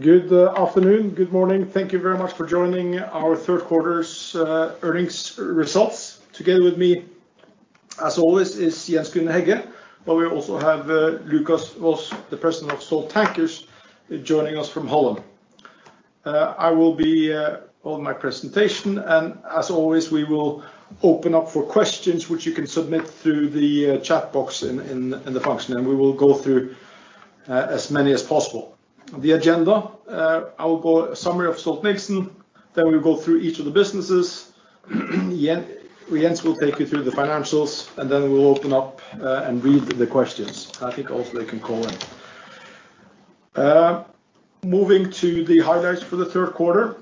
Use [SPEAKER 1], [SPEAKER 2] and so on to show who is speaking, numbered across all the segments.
[SPEAKER 1] Good afternoon. Good morning. Thank you very much for joining our third quarter's earnings results. Together with me, as always, is Jens Grüner-Hegge, but we also have Lucas Vos, the President of Stolt Tankers, joining us from Holland. I will be on my presentation, and as always, we will open up for questions, which you can submit through the chat box in the function, and we will go through as many as possible. The agenda: I will go summary of Stolt-Nielsen, then we'll go through each of the businesses. Jens will take you through the financials, and then we will open up and read the questions. I think also they can call in. Moving to the highlights for the third quarter.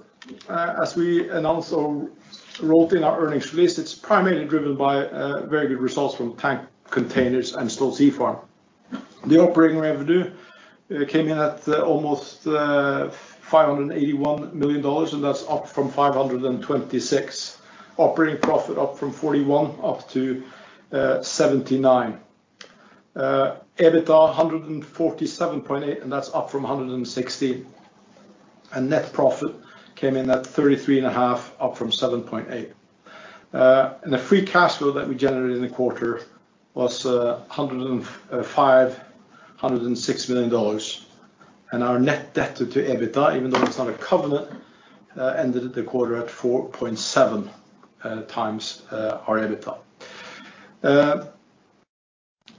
[SPEAKER 1] As we announced or wrote in our earnings release, it's primarily driven by very good results from Stolt Tank Containers and Stolt Sea Farm. The operating revenue came in at almost $581 million, and that's up from $526 million. Operating profit is up from $41 million-$79 million. EBITDA is $147.8 million, and that's up from $116 million. Net profit came in at $33.5 million, up from $7.8 million. The free cash flow that we generated in the quarter was $105 million-$106 million. Our net debt to EBITDA, even though it's not a covenant, ended the quarter at 4.7x our EBITDA.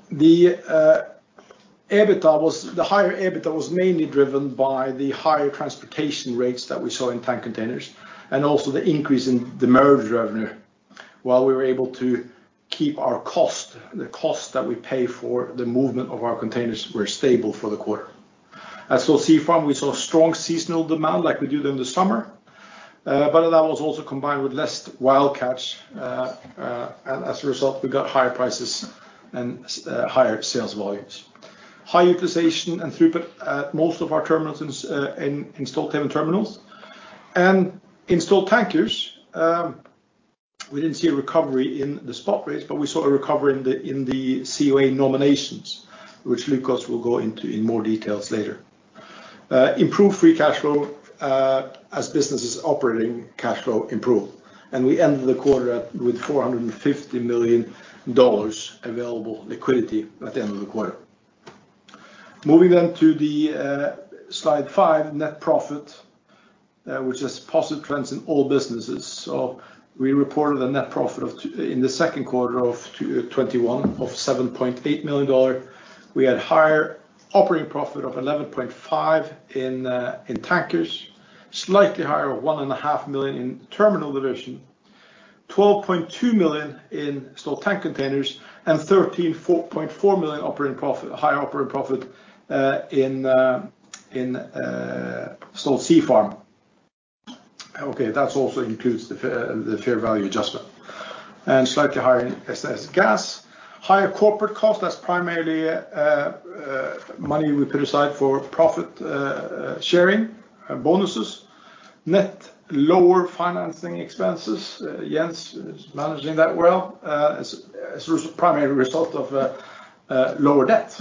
[SPEAKER 1] The higher EBITDA was mainly driven by the higher transportation rates that we saw in Stolt Tank Containers and also the increase in the demurrage revenue. While we were able to keep our cost, the cost that we pay for the movement of our containers was stable for the quarter. At Stolt Sea Farm, we saw strong seasonal demand like we do during the summer, but that was also combined with less wild catch, and as a result, we got higher prices and higher sales volumes. High utilization and throughput at most of our terminals in Stolthaven Terminals. Stolt Tankers, we didn't see a recovery in the spot rates, but we saw a recovery in the COA nominations, which Lucas will go into in more details later. Improved free cash flow as business operating cash flow improved. We ended the quarter with $450 million available liquidity at the end of the quarter. Moving on to slide five, net profit, which has positive trends in all businesses. We reported a net profit in the second quarter of 2021 of $7.8 million. We had a higher operating profit of $11.5 million in Tankers, slightly higher of $1.5 million in Terminal division, $12.2 million in Stolt Tank Containers, and $13.4 million higher operating profit in Stolt Sea Farm. Okay, that also includes the fair value adjustment. Slightly higher in SS Gas. Higher corporate costs—that's primarily money we put aside for profit-sharing bonuses. Net lower financing expenses. Jens is managing that well as a primary result of lower debt.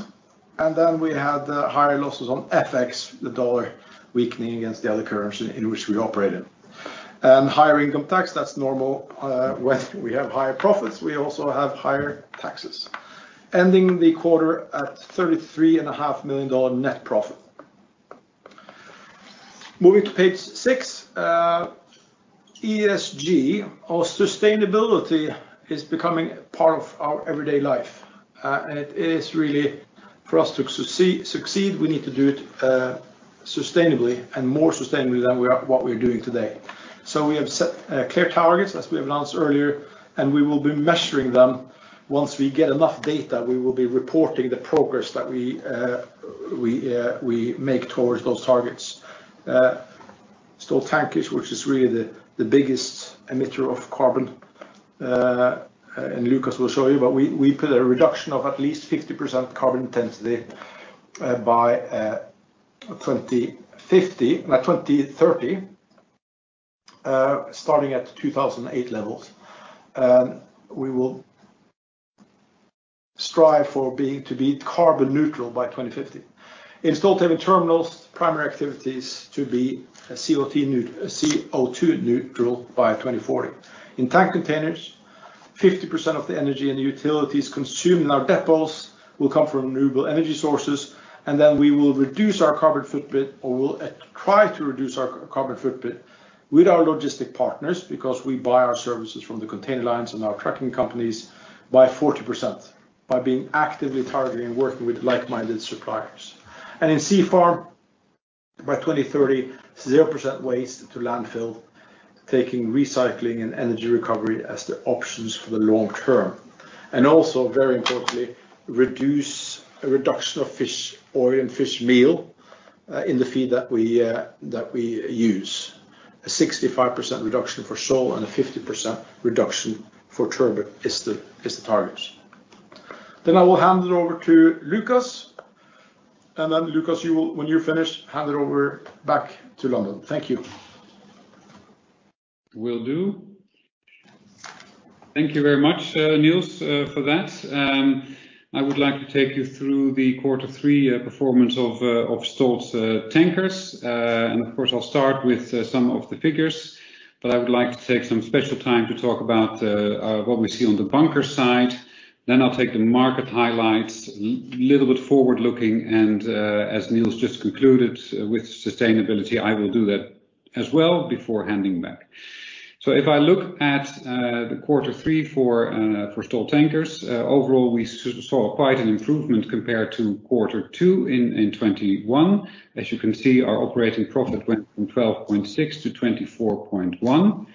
[SPEAKER 1] We had higher losses on FX, the dollar weakening against the other currency in which we operate. Higher income tax—that's normal. When we have higher profits, we also have higher taxes. Ending the quarter at $33.5 million net profit. Moving to page six, ESG, or sustainability, is becoming part of our everyday life. It is really for us to succeed; we need to do it sustainably and more sustainably than what we are doing today. We have set clear targets, as we have announced earlier, and we will be measuring them. Once we get enough data, we will be reporting the progress that we make towards those targets. Stolt Tankers, which is really the biggest emitter of carbon, and Lucas will show you, but we put a reduction of at least 50% carbon intensity by 2030, starting at 2008 levels. We will strive to be carbon neutral by 2050. Stolthaven Terminals, primary activities to be CO2 neutral by 2040. In tank containers, 50% of the energy and utilities consumed in our depots will come from renewable energy sources, and then we will reduce our carbon footprint, or we will try to reduce our carbon footprint with our logistics partners because we buy our services from the container lines and our trucking companies by 40% by actively targeting working with like-minded suppliers. In Sea Farm, by 2030, 0% waste to landfill, taking recycling and energy recovery as the options for the long term. Also very importantly, a reduction of fish oil and fish meal in the feed that we use. A 65% reduction for sole and a 50% reduction for turbot are the targets. I will hand it over to Lucas, and then Lucas, when you finish, hand it over back to London. Thank you.
[SPEAKER 2] Will do. Thank you very much, Niels, for that. I would like to take you through the quarter three performance of Stolt Tankers. Of course, I'll start with some of the figures, but I would like to take some special time to talk about what we see on the bunker side. I'll take the market highlights a little bit forward-looking, and as Niels just concluded with sustainability, I will do that as well before handing back. If I look at quarter three for Stolt Tankers, overall, we saw quite an improvement compared to quarter two in 2021. As you can see, our operating profit went from $12.6-$24.1.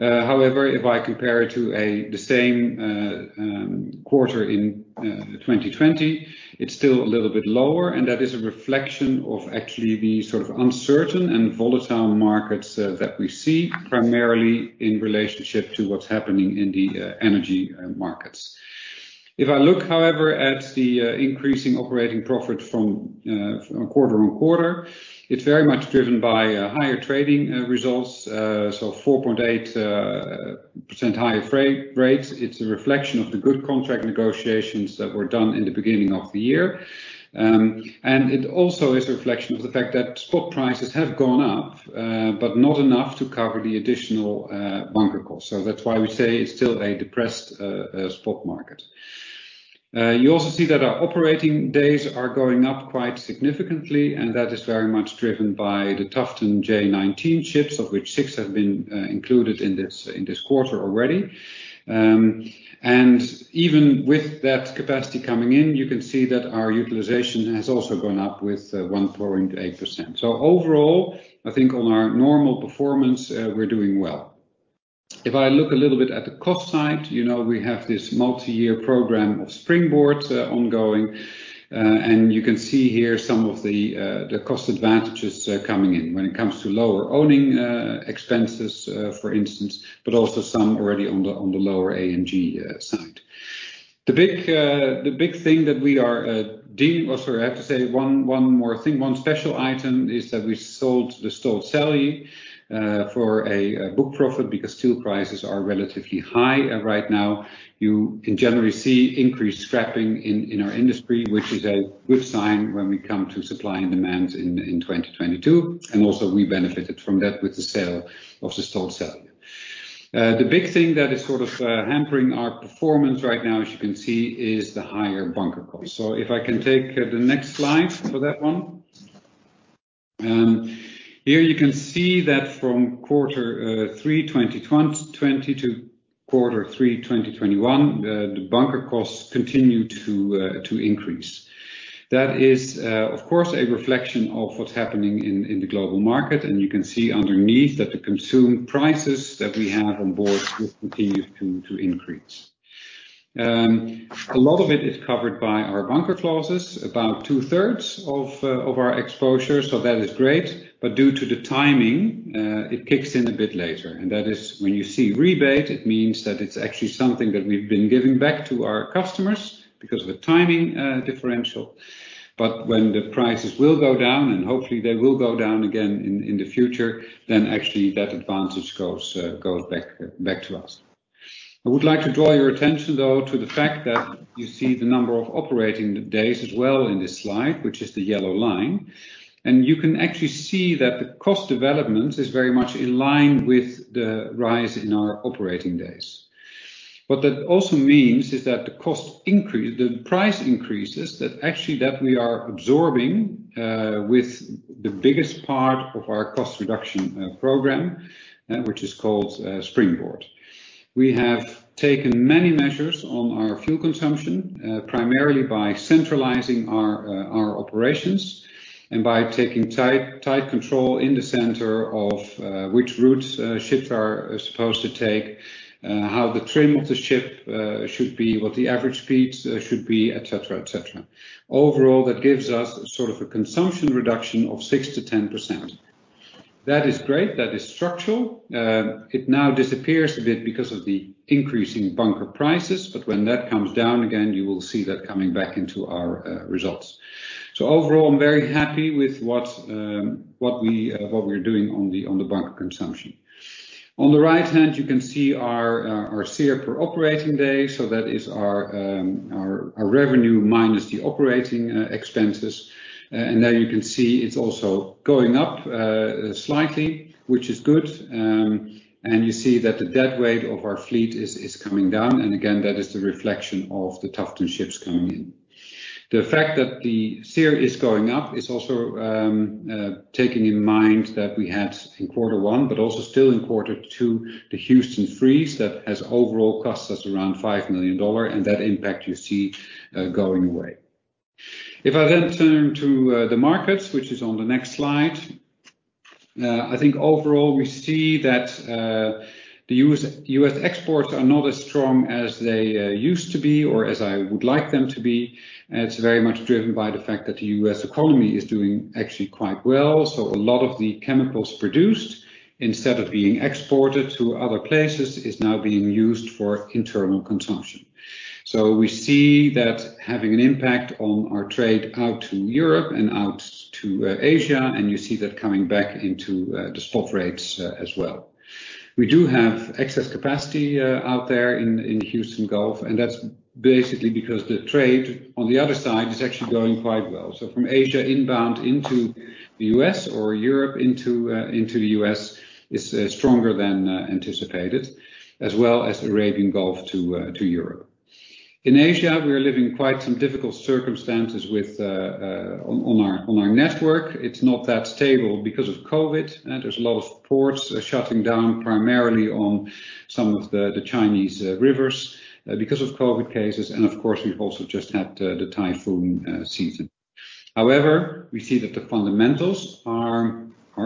[SPEAKER 2] However, if I compare it to the same quarter in 2020, it's still a little bit lower, and that is a reflection of actually the sort of uncertain and volatile markets that we see, primarily in relationship to what's happening in the energy markets. If I look, however, at the increasing operating profit from quarter-on-quarter, it's very much driven by higher trading results. 4.8% higher freight rates. It's a reflection of the good contract negotiations that were done in the beginning of the year. It also is a reflection of the fact that spot prices have gone up, but not enough to cover the additional bunker cost. That's why we say it's still a depressed spot market. You also see that our operating days are going up quite significantly, and that is very much driven by the Tufton J19 ships, of which six have been included in this quarter already. Even with that capacity coming in, you can see that our utilization has also gone up by 1.8%. Overall, I think on our normal performance, we're doing well. If I look a little bit at the cost side, we have this multi-year program of Springboard ongoing. You can see here some of the cost advantages coming in when it comes to lower owning expenses, for instance, but also some already on the lower A&G side. I have to say one more thing. One special item is that we sold the Stolt Sali for a book profit because steel prices are relatively high right now. You can generally see increased scrapping in our industry, which is a good sign when we come to supply and demand in 2022. Also, we benefited from that with the sale of the Stolt Sali. The big thing that is sort of hampering our performance right now, as you can see, is the higher bunker cost. If I can take the next slide for that one. Here you can see that from quarter three 2020 to quarter three 2021, the bunker costs continue to increase. That is, of course, a reflection of what's happening in the global market. You can see underneath that the consumed prices that we have on board will continue to increase. A lot of it is covered by our bunker clauses, about two-thirds of our exposure; that is great. Due to the timing, it kicks in a bit later. When you see a rebate, it means that it's actually something that we've been giving back to our customers because of a timing differential. When the prices go down, and hopefully they will go down again in the future, then actually that advantage goes back to us. I would like to draw your attention, though, to the fact that you see the number of operating days as well in this slide, which is the yellow line. You can actually see that the cost development is very much in line with the rise in our operating days. What that also means is that the price increases, which we are actually absorbing with the biggest part of our cost reduction program, which is called Springboard. We have taken many measures on our fuel consumption, primarily by centralizing our operations and by taking tight control in the center of which routes ships are supposed to take, how the trim of the ship should be, what the average speeds should be, et cetera. That gives us sort of a consumption reduction of 6%-10%. That is great. That is structural. It now disappears a bit because of the increasing bunker prices; when that comes down again, you will see that coming back into our results. Overall, I'm very happy with what we're doing on bunker consumption. On the right hand, you can see our TCE per operating day. That is our revenue minus the operating expenses. There you can see it's also going up slightly, which is good. You see that the deadweight of our fleet is coming down, and again, that is the reflection of the Tufton ships coming in. The fact that the TCE is going up is also taking in mind that we had in quarter one but also still in quarter two, the Houston freeze that has overall cost us around $5 million. That impact you see going away. If I turn to the markets, which are on the next slide. I think overall, we see that the U.S. exports are not as strong as they used to be or as I would like them to be. It's very much driven by the fact that the U.S. economy is doing actually quite well. A lot of the chemicals produced, instead of being exported to other places, are now being used for internal consumption. We see that having an impact on our trade out to Europe and out to Asia, and you see that coming back into the spot rates as well. We do have excess capacity out there in Houston Gulf, and that's basically because the trade on the other side is actually going quite well. From Asia inbound into the U.S. or Europe into the U.S. is stronger than anticipated, as well as Arabian Gulf to Europe. In Asia, we are living quite some difficult circumstances on our network. It's not that stable because of COVID, and there are a lot of ports shutting down, primarily on some of the Chinese rivers because of COVID cases, and of course, we've also just had the typhoon season. We see that the fundamentals are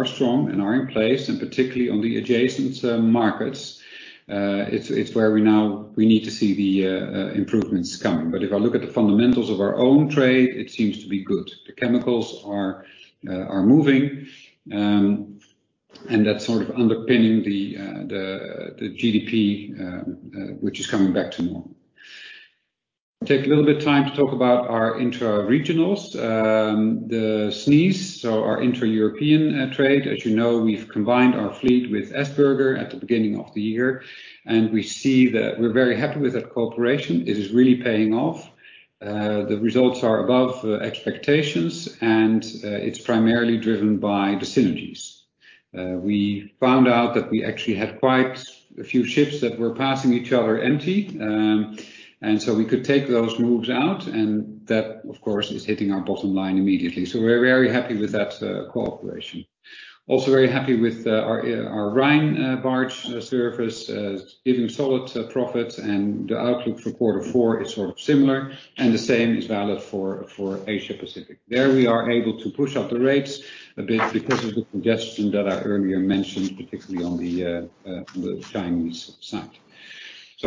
[SPEAKER 2] strong and are in place, particularly in the adjacent markets. It's where we now need to see the improvements coming. If I look at the fundamentals of our own trade, it seems to be good. The chemicals are moving, and that's sort of underpinning the GDP, which is coming back to more. Take a little bit of time to talk about our intra-regions, the SNIES, and our intra-European trade. As you know, we've combined our fleet with Essberger at the beginning of the year, and we see that we're very happy with that cooperation. It is really paying off. The results are above expectations, and it's primarily driven by the synergies. We found out that we actually had quite a few ships that were passing each other empty, and so we could take those moves out, and that, of course, is hitting our bottom line immediately. We're very happy with that cooperation. Also very happy with our Rhine barge service, giving solid profits, and the outlook for quarter four is sort of similar, and the same is valid for the Asia Pacific. There we are able to push up the rates a bit because of the congestion that I earlier mentioned, particularly on the Chinese side.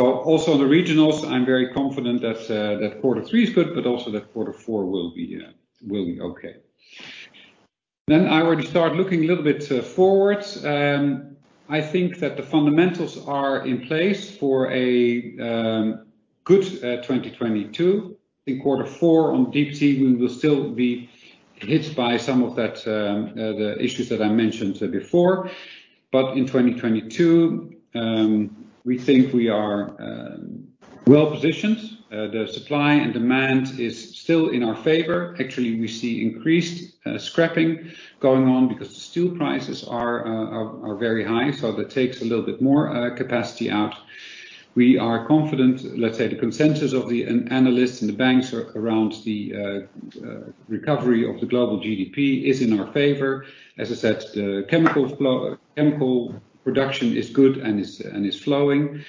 [SPEAKER 2] Also the regionals: I'm very confident that quarter three is good but also that quarter four will be okay. I already start looking a little bit forward. I think that the fundamentals are in place for a good 2022. I think in quarter four on deep sea, we will still be hit by some of the issues that I mentioned before. In 2022, we think we are well-positioned. Actually, we see increased scrapping going on because the steel prices are very high, so that takes a little bit more capacity out. We are confident; let's say the consensus of the analysts and the banks around the recovery of the global GDP is in our favor. As I said, the chemical production is good and is flowing,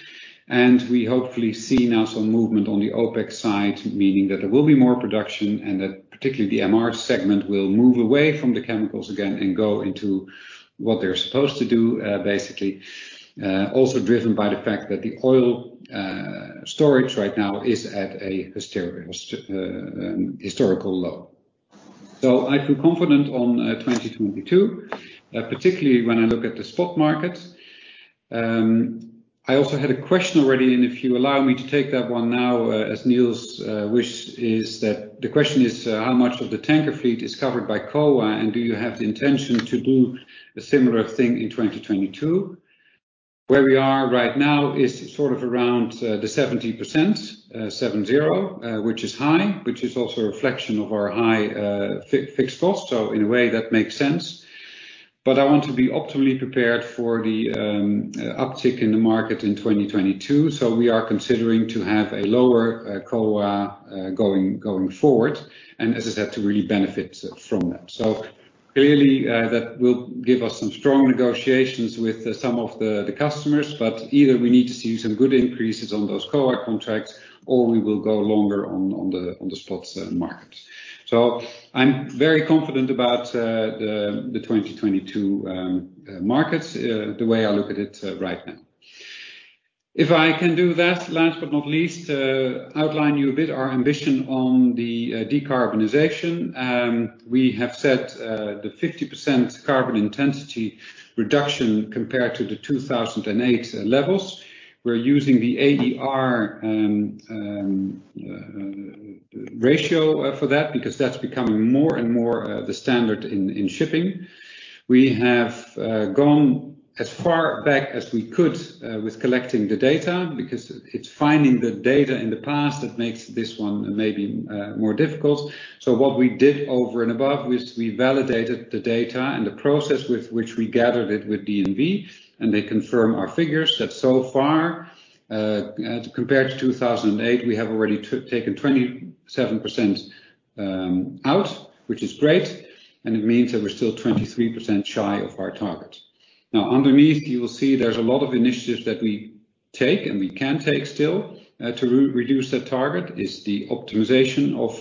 [SPEAKER 2] and we hopefully see now some movement on the OPEC side, meaning that there will be more production and that particularly the MR segment will move away from the chemicals again and go into what they're supposed to do, basically. Driven by the fact that the oil storage right now is at a historical low. I feel confident about 2022, particularly when I look at the spot market. I also had a question already, and if you allow me to take that one now, as Niels wished, the question is, how much of the tanker fleet is covered by COA, and do you have the intention to do a similar thing in 2022? Where we are right now is sort of around 70%, which is high, which is also a reflection of our high fixed costs. In a way, that makes sense. I want to be optimally prepared for the uptick in the market in 2022. We are considering having a lower COA going forward and, as I said, to really benefit from that. Clearly, that will give us some strong negotiations with some of the customers, but either we need to see some good increases on those COA contracts, or we will go longer on the spot market. I'm very confident about the 2022 markets, the way I look at it right now. If I can do that, last but not least, outline for you a bit our ambition on decarbonization. We have set the 50% carbon intensity reduction compared to the 2008 levels. We're using the AER ratio for that because that's becoming more and more the standard in shipping. We have gone as far back as we could with collecting the data because it's finding the data in the past that makes this one maybe more difficult. What we did over and above is we validated the data and the process with which we gathered it with DNV, and they confirmed our figures that so far, compared to 2008, we have already taken 27% out, which is great, and it means that we're still 23% shy of our target. Underneath, you will see there are a lot of initiatives that we take and we can still take to reduce that target: the optimization of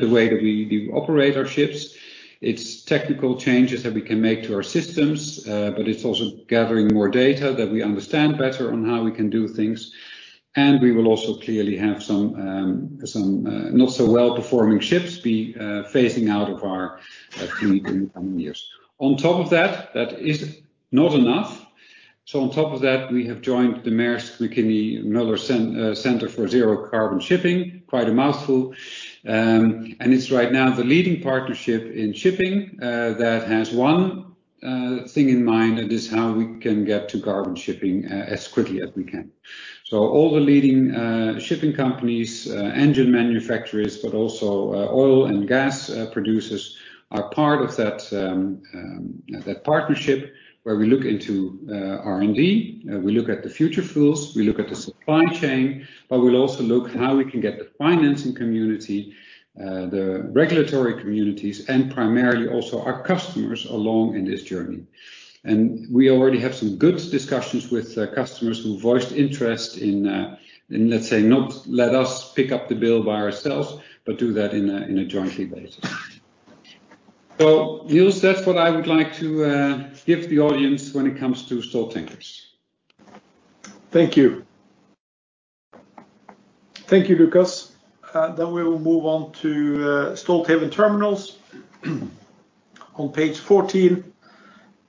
[SPEAKER 2] the way that we operate our ships. It's technical changes that we can make to our systems, but it's also gathering more data that we understand better on how we can do things. We will also clearly have some not-so-well-performing ships be phased out of our fleet in the coming years. On top of that, it is not enough. On top of that, we have joined the Mærsk Mc-Kinney Møller Center for Zero Carbon Shipping, quite a mouthful. It's right now the leading partnership in shipping that has one thing in mind. It is how we can get to carbon shipping as quickly as we can. All the leading shipping companies, engine manufacturers, and oil and gas producers are part of that partnership where we look into R&D, we look at the future fuels, and we look at the supply chain, but we'll also look at how we can get the financing community, the regulatory communities, and primarily also our customers along in this journey. We already have some good discussions with customers who voiced interest in, let's say, not letting us pick up the bill by ourselves but doing that on a joint basis. Niels, that's what I would like to give the audience when it comes to Stolt Tankers.
[SPEAKER 1] Thank you. Thank you, Lucas. We will move on to Stolthaven Terminals. On page 14,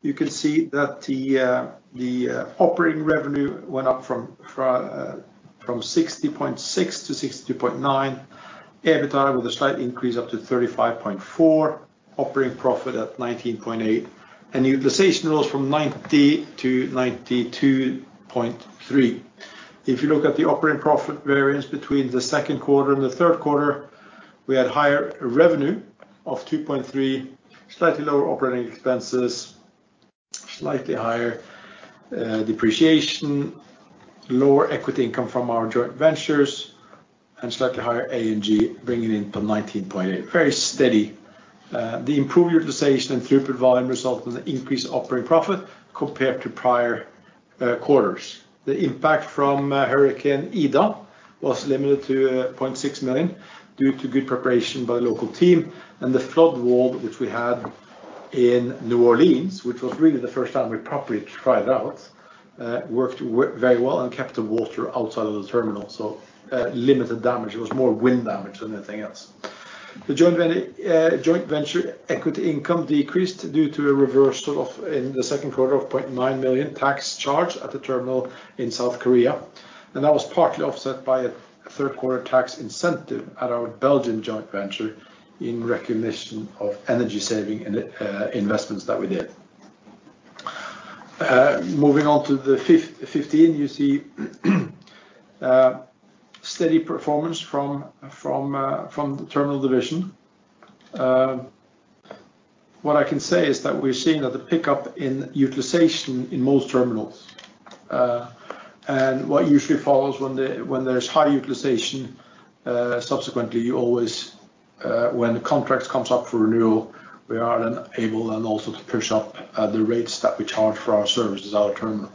[SPEAKER 1] you can see that the operating revenue went up from $60.6-$62.9. EBITDA with a slight increase up to $35.4, operating profit at $19.8, and utilization rose from 90%-92.3%. If you look at the operating profit variance between the second quarter and the third quarter, we had higher revenue of $2.3, slightly lower operating expenses, slightly higher depreciation, lower equity income from our joint ventures, and slightly higher A&G, bringing it to $19.8. Very steady. The improved utilization and throughput volume result in an increased operating profit compared to prior quarters. The impact from Hurricane Ida was limited to $0.6 million due to good preparation by the local team and the flood wall, which we had in New Orleans, which was really the first time we properly tried it out, worked very well, and kept the water outside of the terminal. Limited damage. It was more wind damage than anything else. The joint venture equity income decreased due to a reversal in the second quarter of a $0.9 million tax charge at the terminal in South Korea. That was partly offset by a third-quarter tax incentive at our Belgian joint venture in recognition of energy savings and investments that we did. Moving on to the '15, you see steady performance from the terminal division. What I can say is that we're seeing that pickup in utilization in most terminals. What usually follows when there's high utilization is, subsequently, you always, when the contract comes up for renewal, are then also able to push up the rates that we charge for our services at our terminal.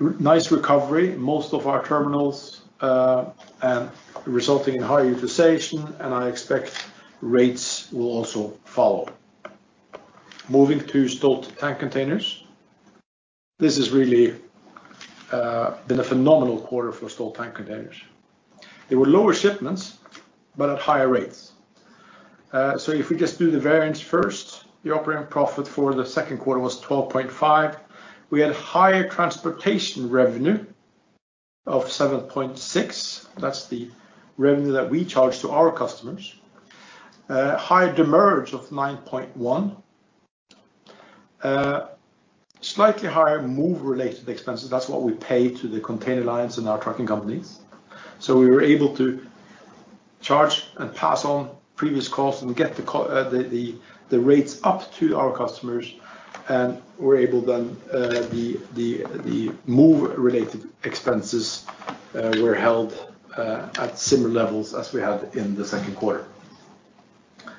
[SPEAKER 1] Nice recovery. Most of our terminals resulting in high utilization, and I expect rates will also follow. Moving to Stolt Tank Containers. This has really been a phenomenal quarter for Stolt Tank Containers. There were lower shipments, but at higher rates. If we just do the variance first, the operating profit for the second quarter was $12.5. We had higher transportation revenue of $7.6. That's the revenue that we charge to our customers. Higher demurrage of $9.1. Slightly higher move-related expenses. That's what we pay to the container lines and our trucking companies. We were able to charge and pass on previous costs and get the rates up to our customers. The move-related expenses were held at similar levels as we had in the second quarter.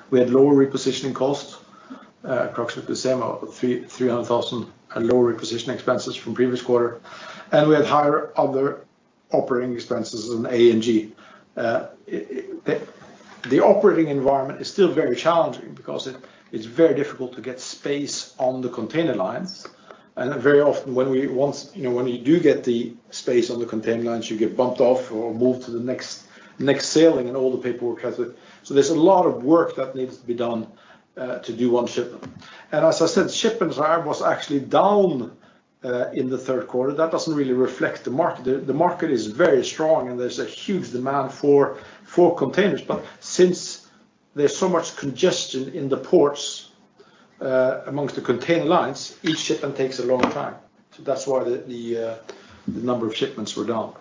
[SPEAKER 1] We had lower repositioning costs, approximately the same, $300,000, and lower repositioning expenses from the previous quarter, and we had higher other operating expenses in A&G. The operating environment is still very challenging because it's very difficult to get space on the container lines. Very often when you do get the space on the container lines, you get bumped off or moved to the next sailing. There's a lot of work that needs to be done to do one shipment. As I said, shipments were actually down in the third quarter. That doesn't really reflect the market. The market is very strong, and there's a huge demand for containers. Since there's so much congestion in the ports amongst the container lines, each shipment takes a long time. That's why the number of shipments was down.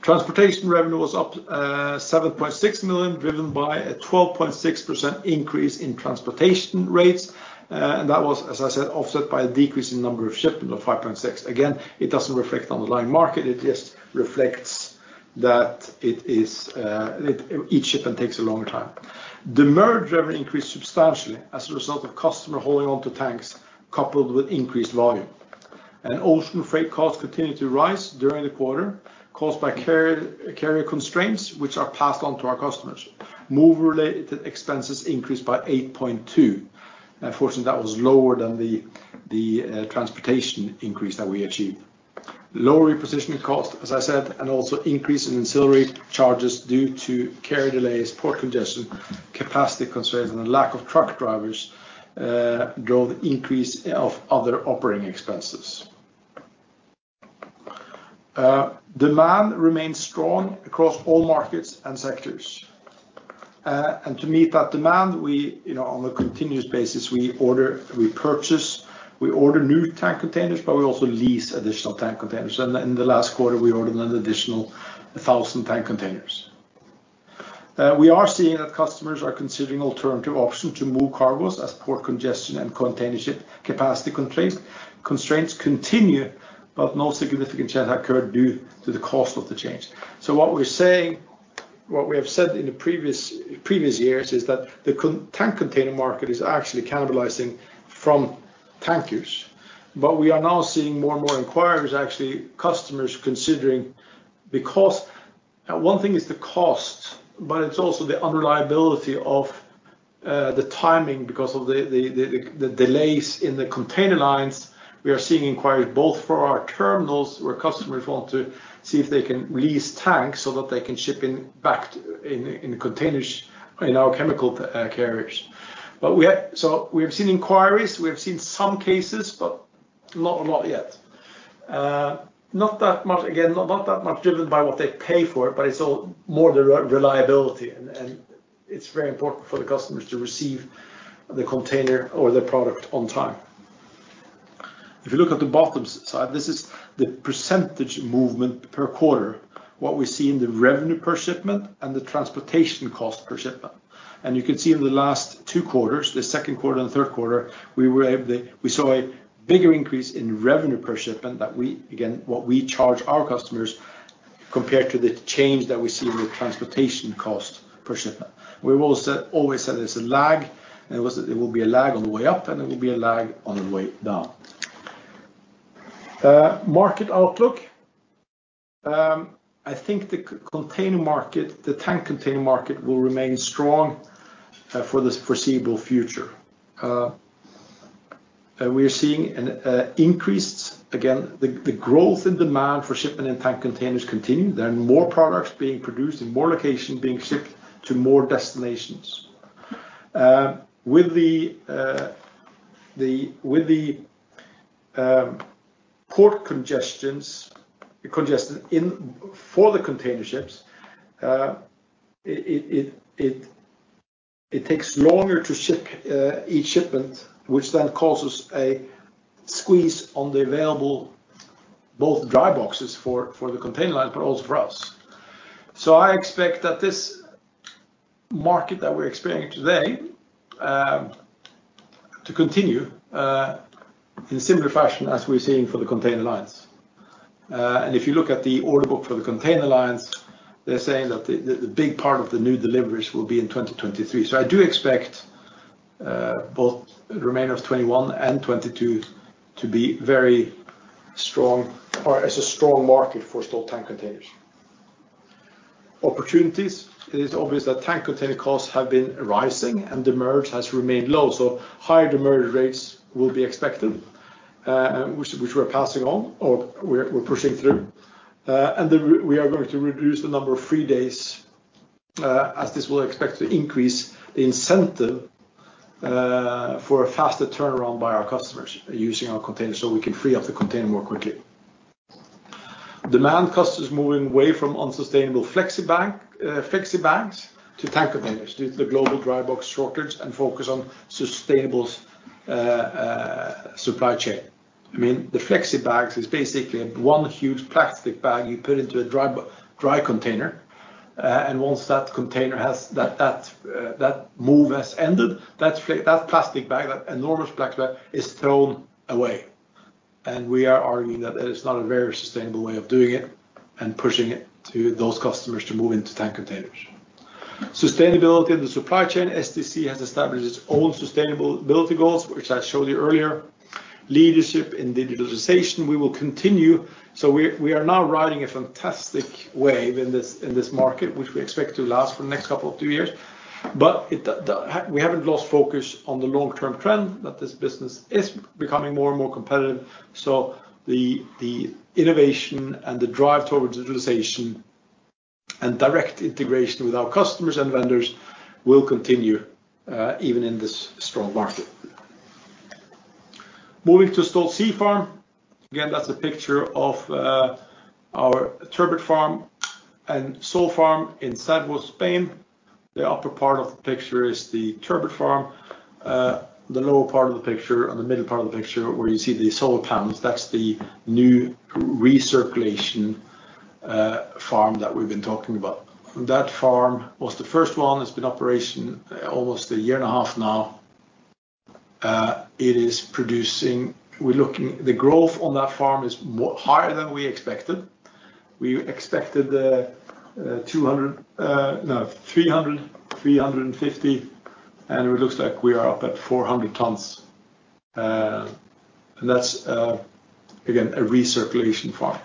[SPEAKER 1] Transportation revenue was up $7.6 million, driven by a 12.6% increase in transportation rates. That was, as I said, offset by a decrease in number of shipments of 5.6%. Again, it doesn't reflect on the line market. It just reflects that each shipment takes a longer time. Demurrage revenue increased substantially as a result of customer holding onto tanks coupled with increased volume. Ocean freight costs continued to rise during the quarter, caused by carrier constraints, which are passed on to our customers. Move-related expenses increased by 8.2%. Fortunately, that was lower than the transportation increase that we achieved. Lower repositioning costs, as I said, and also an increase in ancillary charges due to carrier delays, port congestion, capacity constraints, and a lack of truck drivers drove the increase of other operating expenses. Demand remains strong across all markets and sectors. To meet that demand on a continuous basis, we purchase and order new tank containers, but we also lease additional tank containers. In the last quarter, we ordered an additional 1,000 tank containers. We are seeing that customers are considering alternative options to move cargoes as port congestion and containership capacity constraints continue, but no significant change has occurred due to the cost of the change. What we have said in the previous years is that the tank container market is actually cannibalizing the tankers. We are now seeing more and more inquiries, actually, from customers considering the cost. One thing is the cost, but it's also the unreliability of the timing because of the delays in the container lines. We are seeing inquiries both for our terminals, where customers want to see if they can lease tanks so that they can ship in the containers in our chemical carriers. We have seen inquiries. We have seen some cases, not a lot yet. Again, not that much driven by what they pay for it's all more the reliability, and it's very important for the customers to receive the container or their product on time. If you look at the bottom side, this is the % movement per quarter; what we see is the revenue per shipment and the transportation cost per shipment. You can see in the last two quarters, the second quarter and third quarter, we saw a bigger increase in revenue per shipment, again, what we charge our customers, compared to the change that we see in the transportation cost per shipment. We've always said there's a lag, and it will be a lag on the way up, and it will be a lag on the way down. Market outlook. I think the tank container market will remain strong for the foreseeable future. We are seeing an increase. Again, the growth in demand for shipment and tank containers continues. There are more products being produced in more locations being shipped to more destinations. With the port congestions for the container ships, it takes longer to ship each shipment, which then causes a squeeze on the available both dry boxes for the container line, but also for us. I expect that this market that we're experiencing today will continue in similar fashion as we're seeing for the container lines. If you look at the order book for the container lines, they're saying that the big part of the new deliveries will be in 2023. I do expect both the remainder of 2021 and 2022 to be very strong or as strong a market for Stolt Tank Containers. Opportunities. It is obvious that tank container costs have been rising and demurrage has remained low, so higher demurrage rates will be expected, which we're passing on or we're pushing through. We are going to reduce the number of free days, as this is expected to increase the incentive for a faster turnaround by our customers using our containers so we can free up the container more quickly. Demand costs are moving away from unsustainable flexi-bags to tank containers due to the global dry box shortage and a focus on sustainable supply chains. The flexi bag is basically one huge plastic bag you put into a dry container, and once that move has ended, that enormous plastic bag is thrown away. We are arguing that it is not a very sustainable way of doing it and pushing it to those customers to move into tank containers. Sustainability in the supply chain. STC has established its own sustainability goals, which I showed you earlier. Leadership in digitalization. We will continue. We are now riding a fantastic wave in this market, which we expect to last for the next couple of two years. We haven't lost focus on the long-term trend that this business is becoming more and more competitive. The innovation and the drive towards digitalization and direct integration with our customers and vendors will continue even in this strong market. Moving to Stolt Sea Farm. Again, that's a picture of our turbot farm and sole farm in Sanxenxo, Spain. The upper part of the picture is the turbot farm. The lower part of the picture and the middle part of the picture, where you see the solar panels, that's the new recirculation farm that we've been talking about. That farm was the first one. It's been in operation almost a year and a half now. The growth on that farm is higher than we expected. We expected 300, 350, and it looks like we are up at 400 tons. That's, again, a recirculation farm.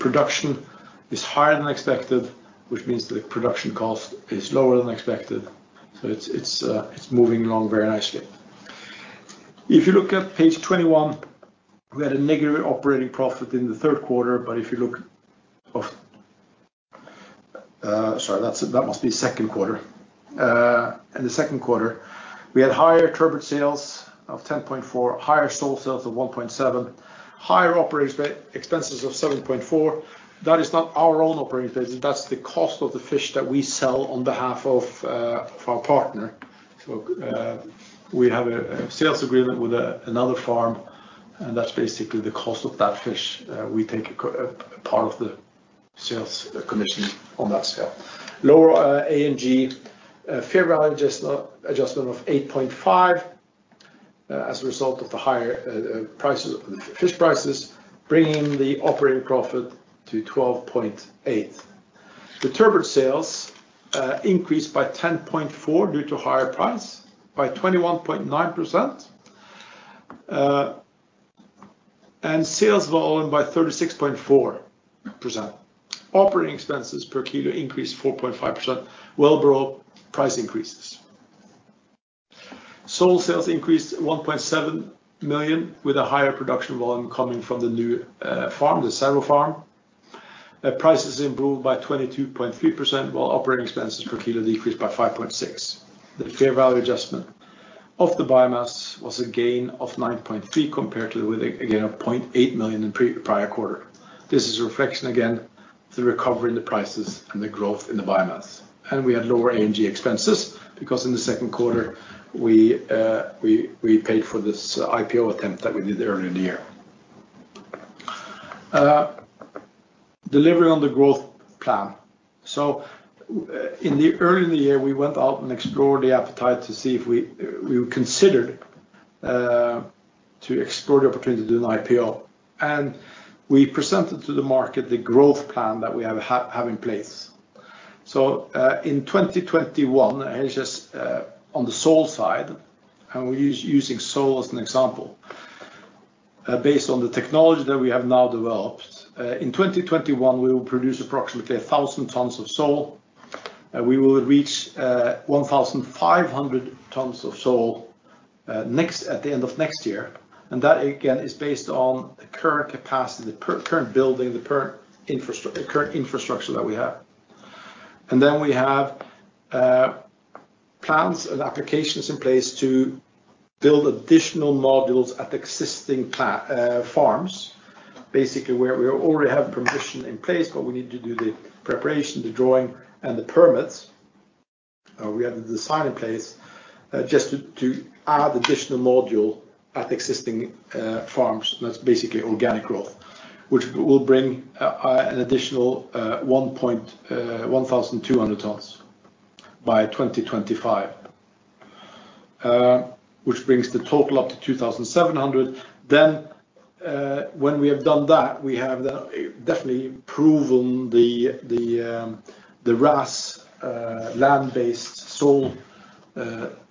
[SPEAKER 1] Production is higher than expected, which means the production cost is lower than expected. It's moving along very nicely. If you look at page 21, we had a negative operating profit in the third quarter. Sorry, that must be second quarter. In the second quarter, we had higher turbot sales of $10.4, higher sole sales of $1.7, and higher operating expenses of $7.4. Those are not our own operating expenses. That's the cost of the fish that we sell on behalf of our partner. We have a sales agreement with another farm, and that's basically the cost of that fish. We take a part of the sales commission on that sale. Lower A&G fair value adjustment of $8.5 as a result of the higher fish prices, bringing the operating profit to $12.8. The turbot sales increased by $10.4 due to a higher price by 21.9% and sales volume by 36.4%. Operating expenses per kilo increased 4.5%, well below price increases. Sole sales increased $1.7 million with a higher production volume coming from the new farm, the Cervo farm. Prices improved by 22.3%, while operating expenses per kilo decreased by 5.6%. The fair value adjustment of the biomass was a gain of $9.3 compared to, again, a $0.8 million in prior quarter. This is a reflection again: the recovery in the prices and the growth in the biomass. We had lower A&G expenses because in the second quarter we paid for this IPO attempt that we did earlier in the year. Delivery on the growth plan. Early in the year, we went out and explored the appetite to see if we considered exploring the opportunity to do an IPO. We presented to the market the growth plan that we have in place. In 2021, on the sole side, and we are using sole as an example. Based on the technology that we have now developed, in 2021, we will produce approximately 1,000 t of sole. We will reach 1,500 t of sole at the end of next year. That, again, is based on the current capacity, the current building, and the current infrastructure that we have. We have plans and applications in place to build additional modules at existing farms, basically where we already have permission in place, but we need to do the preparation, the drawing, and the permits. We have the design in place just to add an additional module at existing farms. That is basically organic growth, which will bring an additional 1,200 t by 2025, bringing the total up to 2,700. When we have done that, we have definitely proven the RAS land-based sole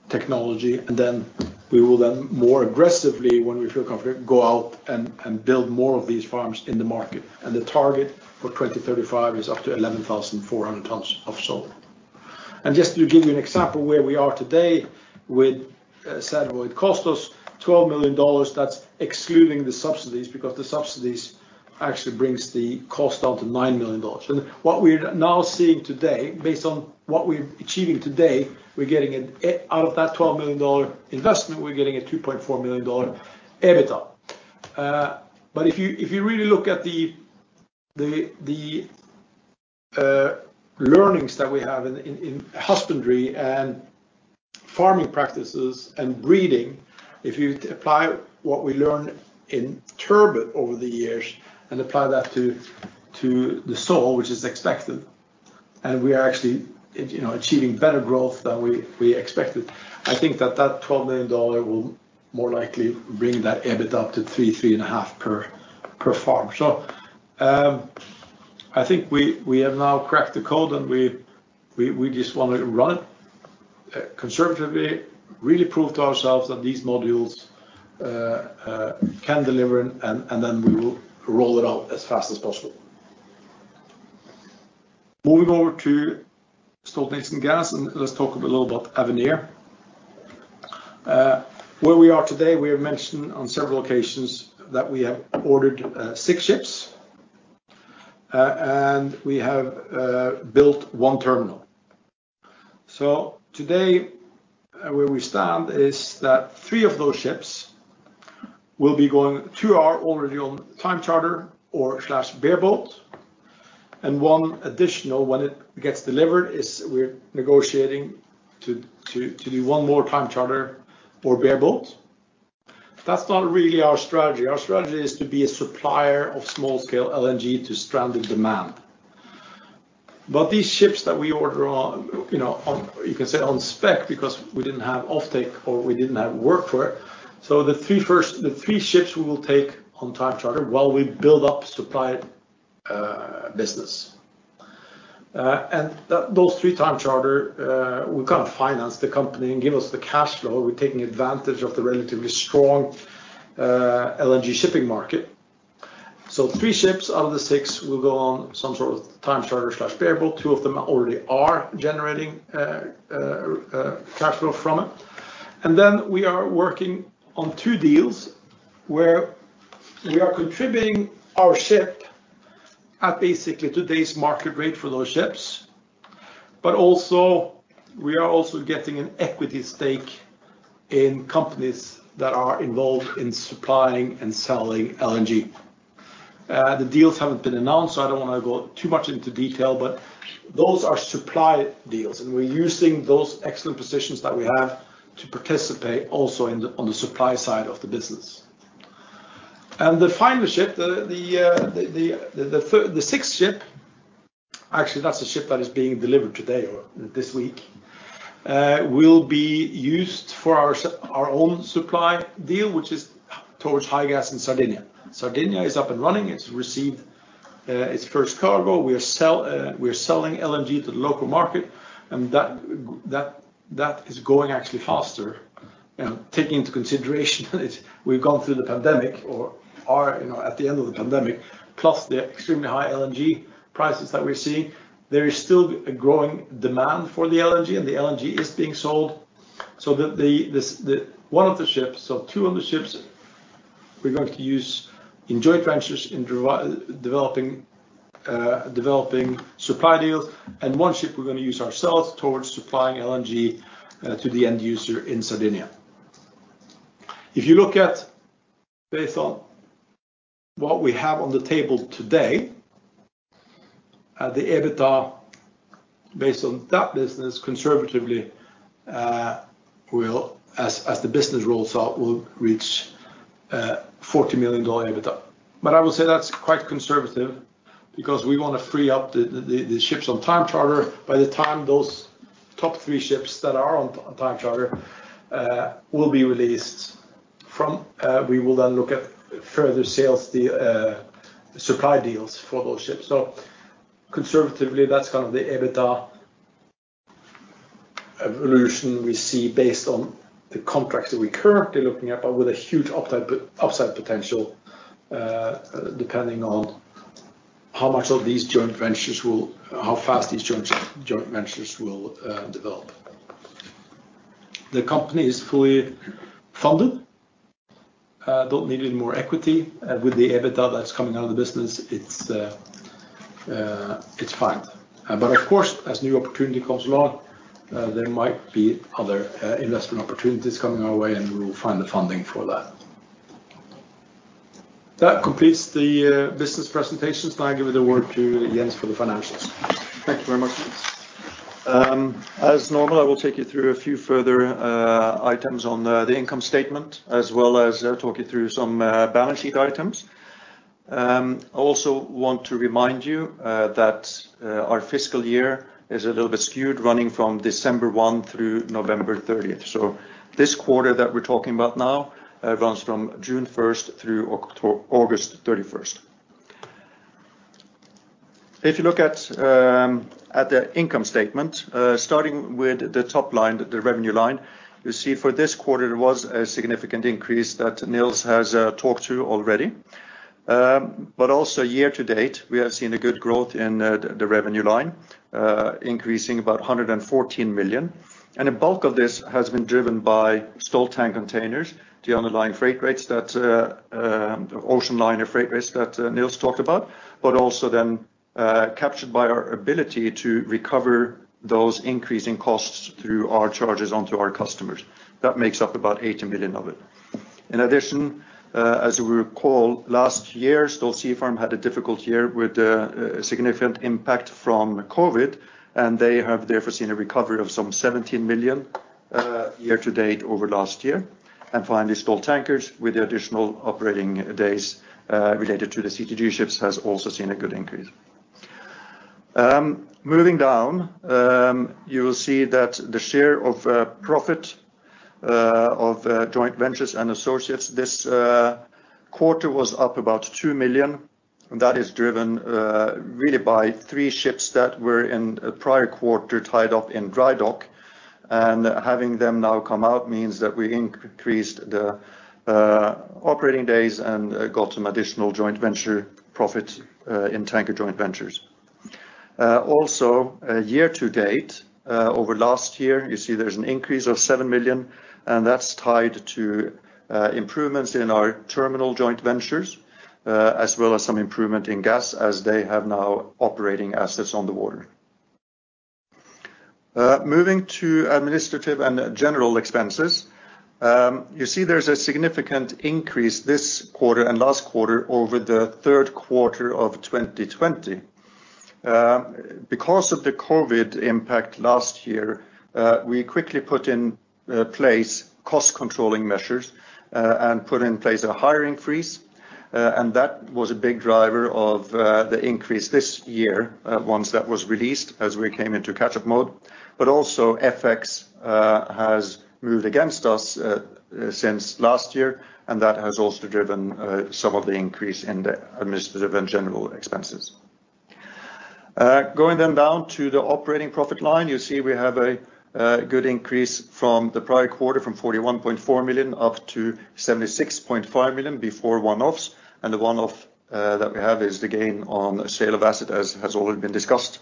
[SPEAKER 1] technology. Then we will more aggressively, when we feel comfortable, go out and build more of these farms in the market. The target for 2035 is up to 11,400 t of sole. Just to give you an example where we are today with Cervo. It cost us $12 million. That's excluding the subsidies, because the subsidies actually bring the cost down to $9 million. What we're now seeing today, based on what we're achieving today, out of that $12 million investment, we're getting a $2.4 million EBITDA. If you really look at the learnings that we have in husbandry and farming practices and breeding, and if you apply what we learned in turbot over the years and apply that to the sole, which is expected, we are actually achieving better growth than we expected. I think that that $12 million will more likely bring that EBITDA up to 3.5% per farm. I think we have now cracked the code, and we just want to run it conservatively, really proving to ourselves that these modules can deliver, and then we will roll it out as fast as possible. Moving over to Stolt-Nielsen Gas, let's talk a little about Avenir. Where we are today, we have mentioned on several occasions that we have ordered six ships, and we have built one terminal. Today, where we stand is that three of those ships will be going to our already owned time charter or bareboat. One additional, when it gets delivered, is we're negotiating to do one more time charter or bareboat. That's not really our strategy. Our strategy is to be a supplier of small-scale LNG to stranded demand. These ships that we order on, you can say on spec because we didn't have off-take or we didn't have work for them. The three ships we will take on time charter while we build up the supply business. Those three time charters, we can't finance the company and give us the cash flow. We're taking advantage of the relatively strong LNG shipping market. Three ships out of the six will go on some sort of time charter/variable. Two of them already are generating cash flow from it. We are working on two deals where we are contributing our ship at basically today's market rate for those ships. Also, we are getting an equity stake in companies that are involved in supplying and selling LNG. The deals haven't been announced, so I don't want to go too much into detail, but those are supply deals, and we're using those excellent positions that we have to participate also on the supply side of the business. The final ship, the sixth ship, actually, is the ship that is being delivered today or this week and will be used for our own supply deal, which is towards Higas in Sardinia. Sardinia is up and running. It's received its first cargo. We are selling LNG to the local market, and that is going actually faster, taking into consideration that we've gone through the pandemic or are at the end of the pandemic, plus the extremely high LNG prices that we're seeing. There is still a growing demand for the LNG, and the LNG is being sold. Two of the ships we're going to use in joint ventures in developing supply deals, and one ship we're going to use ourselves towards supplying LNG to the end user in Sardinia. If you look at based on what we have on the table today, the EBITDA based on that business conservatively as the business rolls out will reach $40 million EBITDA. I would say that's quite conservative because we want to free up the ships on time charter. By the time those top three ships that are on time charter will be released, we will then look at further supply deals for those ships. Conservatively, that's kind of the EBITDA evolution we see based on the contracts that we are currently looking at, but with a huge upside potential, depending on how fast these joint ventures will develop. The company is fully funded; it doesn't need any more equity. With the EBITDA that's coming out of the business, it's fine. Of course, as a new opportunity comes along, there might be other investment opportunities coming our way, and we will find the funding for that. That completes the business presentations. Now I give the word to Jens for the financials.
[SPEAKER 3] Thank you very much, Niels. As normal, I will take you through a few further items on the income statement, as well as talk you through some balance sheet items. I also want to remind you that our fiscal year is a little bit skewed, running from December 1 through November 30th. This quarter that we're talking about now runs from June 1st through August 31st. If you look at the income statement starting with the top line, the revenue line, you see for this quarter, there was a significant increase that Niels has talked to already. Also year to date, we have seen good growth in the revenue line, increasing about $114 million, and a bulk of this has been driven by Stolt Tank Containers and the underlying freight rates—those ocean liner freight rates that Niels talked about—but also then captured by our ability to recover those increasing costs through our charges to our customers. That makes up about $80 million of it. In addition, as you recall, last year, Stolt Sea Farm had a difficult year with a significant impact from COVID, and they have therefore seen a recovery of some $17 million year to date over last year. Finally, Stolt Tankers, with the additional operating days related to the CTG ships, has also seen a good increase. Moving down, you will see that the share of profit of joint ventures and associates this quarter was up about $2 million. That is driven really by three ships that were in a prior quarter tied up in dry dock. Having them now come out means that we increased the operating days and got some additional joint venture profit in tanker joint ventures. Year to date, over last year, you see there's an increase of $7 million, and that's tied to improvements in our terminal joint ventures, as well as some improvement in gas as they now have operating assets on the water. Moving to Administrative and General Expenses. You see there's a significant increase this quarter and last quarter over the third quarter of 2020. Because of the COVID impact last year, we quickly put in place cost-controlling measures and put in place a hiring freeze. That was a big driver of the increase this year once that was released as we came into catch-up mode. Also, FX has moved against us since last year, and that has also driven some of the increase in the administrative and general expenses. Down to the operating profit line, you see we have a good increase from the prior quarter, from $41.4 million-$76.5 million before one-offs. The one-off that we have is the gain on the sale of assets, as has already been discussed.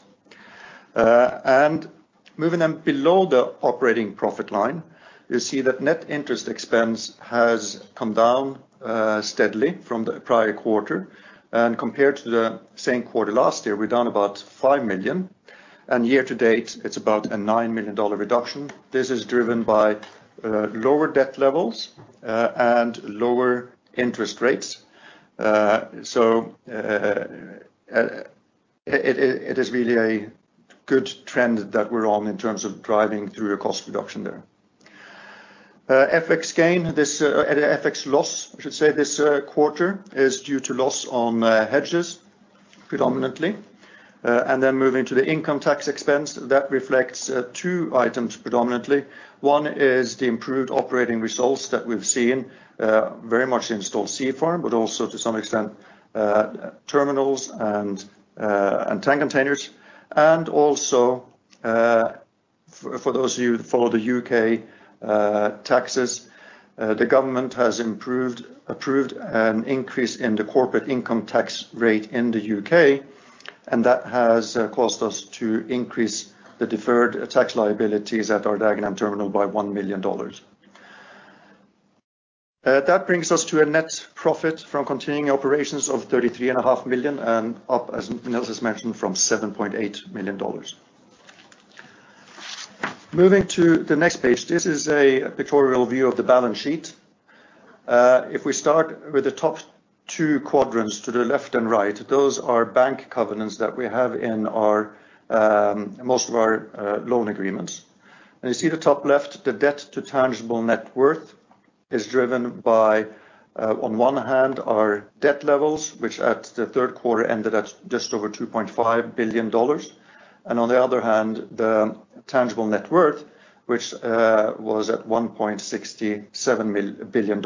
[SPEAKER 3] Moving below the operating profit line, you'll see that net interest expense has come down steadily from the prior quarter. Compared to the same quarter last year, we're down about $5 million. Year to date, it's about a $9 million reduction. This is driven by lower debt levels and lower interest rates. It is really a good trend that we're on in terms of driving through a cost reduction there. FX gain and FX loss, I should say, this quarter are due to loss on hedges predominantly. Moving to the income tax expense, that reflects two items predominantly. One is the improved operating results that we've seen very much in Stolt Sea Farm, but also, to some extent, Stolthaven Terminals and Stolt Tank Containers. Also, for those of you who follow the U.K. taxes, the government has approved an increase in the corporate income tax rate in the U.K., and that has caused us to increase the deferred tax liabilities at our Dagenham terminal by $1 million. That brings us to a net profit from continuing operations of $33.5 million and up, as Niels has mentioned, from $7.8 million. Moving to the next page. This is a pictorial view of the balance sheet. If we start with the top two quadrants to the left and right, those are bank covenants that we have in most of our loan agreements. You see in the top left, the debt to tangible net worth is driven by, on one hand, our debt levels, which at the third quarter ended at just over $2.5 billion. On the other hand, the tangible net worth was at $1.67 billion.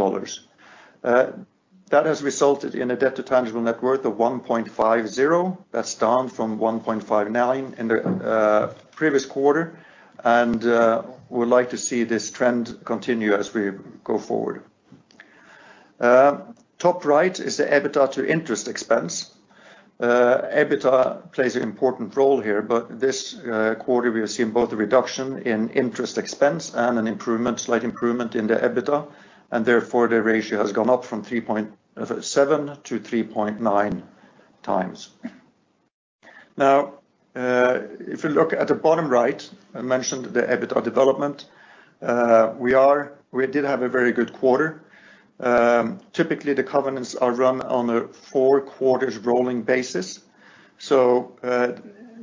[SPEAKER 3] That has resulted in a debt to tangible net worth of 1.50x. That's down from 1.59x in the previous quarter, and we would like to see this trend continue as we go forward. Top right is the EBITDA to interest expense. EBITDA plays an important role here, but this quarter we are seeing both a reduction in interest expense and an improvement, a slight improvement in the EBITDA, and therefore the ratio has gone up from 3.7x-3.9x. If you look at the bottom right, I mentioned the EBITDA development. We did have a very good quarter. Typically, the covenants are run on a fourth-quarter rolling basis.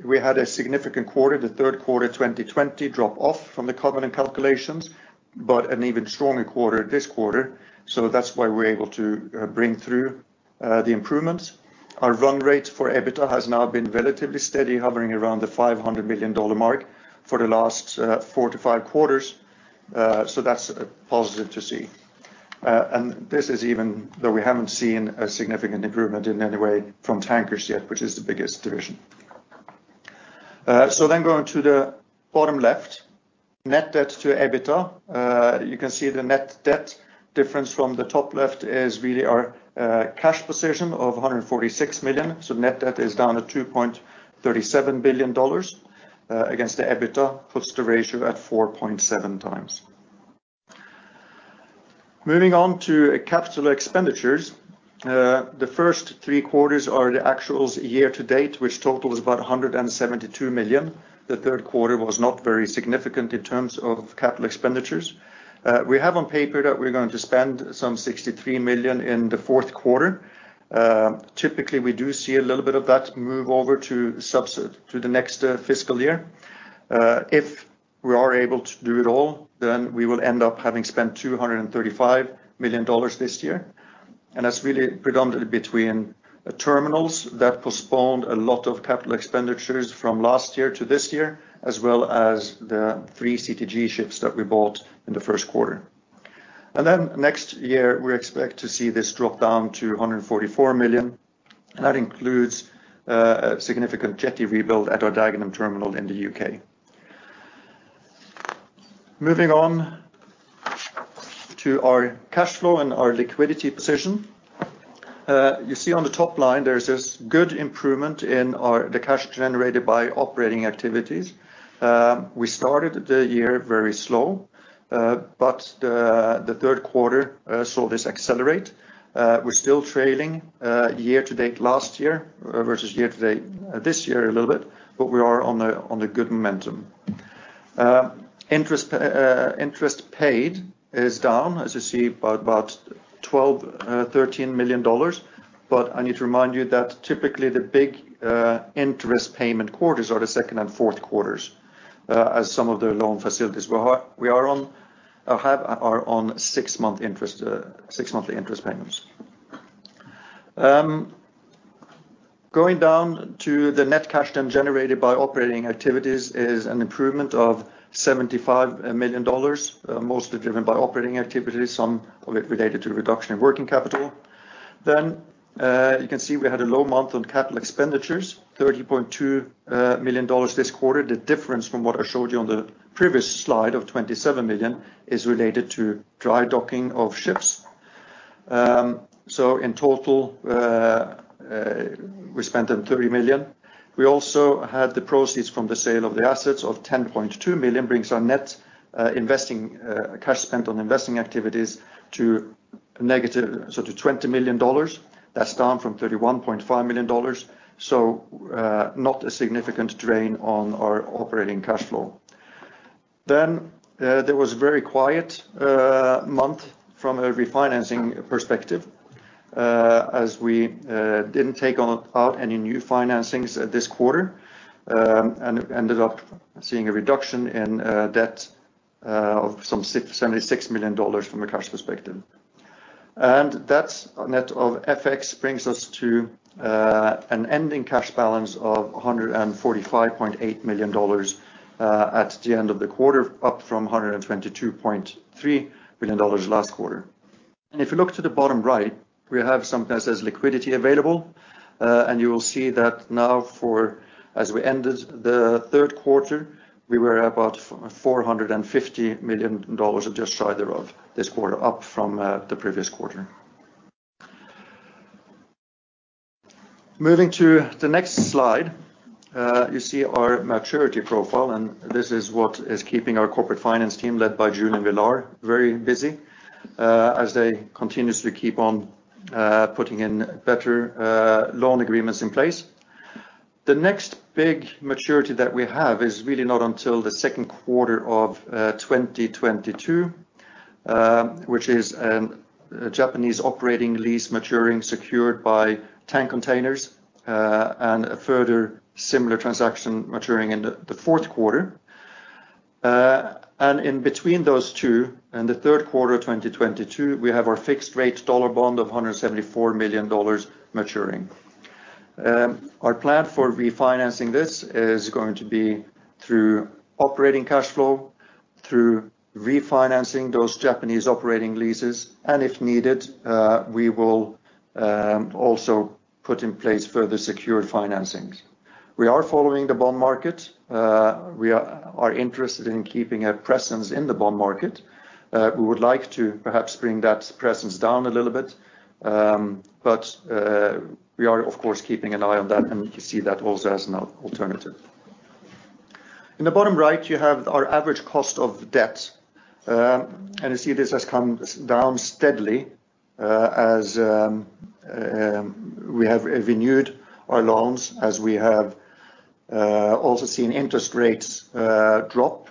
[SPEAKER 3] We had a significant quarter, the third quarter 2020 drop-off from the covenant calculations, but an even stronger quarter this quarter. That's why we're able to bring through the improvements. Our run rate for EBITDA has now been relatively steady, hovering around the $500 million mark for the last four-five quarters. That's positive to see. This is even though we haven't seen a significant improvement in any way from Tankers yet, which is the biggest division. Going to the bottom left, net debt to EBITDA. You can see the net debt difference from the top left is really our cash position of $146 million. Net debt is down to $2.37 billion against the EBITDA, putting the ratio at 4.7x. Moving on to capital expenditures. The first three quarters are the actual year-to-date, which totals about $172 million. The third quarter was not very significant in terms of capital expenditures. We have on paper that we're going to spend some $63 million in the fourth quarter. Typically, we do see a little bit of that move over to the next fiscal year. If we are able to do it all, then we will end up having spent $235 million this year, and that's really predominantly between terminals that postponed a lot of capital expenditures from last year to this year, as well as the three CTG ships that we bought in the first quarter. Next year we expect to see this drop down to $144 million, and that includes a significant jetty rebuild at our Dagenham terminal in the U.K. Moving on to our cash flow and our liquidity position. You see on the top line, there's this good improvement in the cash generated by operating activities. We started the year very slow, but the third quarter saw this accelerate. We're still trailing year-to-date last year versus year-to-date this year a little bit, but we are on the good momentum. Interest paid is down, as you see, by about $12 million-$13 million. I need to remind you that typically the big interest payment quarters are the second and fourth quarters, as some of the loan facilities we are on are on six-monthly interest payments. Going down to the net cash then generated by operating activities is an improvement of $75 million, mostly driven by operating activities, some of it related to reduction in working capital. You can see we had a low month on capital expenditures, $30.2 million this quarter. The difference from what I showed you on the previous slide of $27 million is related to dry docking of ships. In total, we spent $30 million. We also had the proceeds from the sale of the assets of $10.2 million, bringing our net cash spent on investing activities to negative $20 million. That's down from $31.5 million. Not a significant drain on our operating cash flow. There was a very quiet month from a refinancing perspective, as we didn't take out any new financings this quarter and ended up seeing a reduction in debt of some $76 million from a cash perspective. That net of FX brings us to an ending cash balance of $145.8 million at the end of the quarter, up from $122.3 million last quarter. If you look to the bottom right, we have something that says liquidity available. You will see that now as we ended the third quarter, we were about $450 million or just shy thereof this quarter, up from the previous quarter. Moving to the next slide, you see our maturity profile, and this is what is keeping our corporate finance team led by Julian Villar very busy, as they continuously keep on putting in better loan agreements in place. The next big maturity that we have is really not until the second quarter of 2022, which is a Japanese operating lease maturing secured by tank containers, and a further similar transaction maturing in the fourth quarter. In between those two, in the third quarter of 2022, we have our fixed-rate dollar bond of $174 million maturing. Our plan for refinancing this is going to be through operating cash flow and through refinancing those Japanese operating leases, and if needed, we will also put in place further secured financings. We are following the bond market. We are interested in keeping a presence in the bond market. We would like to perhaps bring that presence down a little bit. We are, of course, keeping an eye on that, and we see that also as an alternative. In the bottom right, you have our average cost of debt. You see, this has come down steadily as we have renewed our loans, as we have also seen interest rates drop,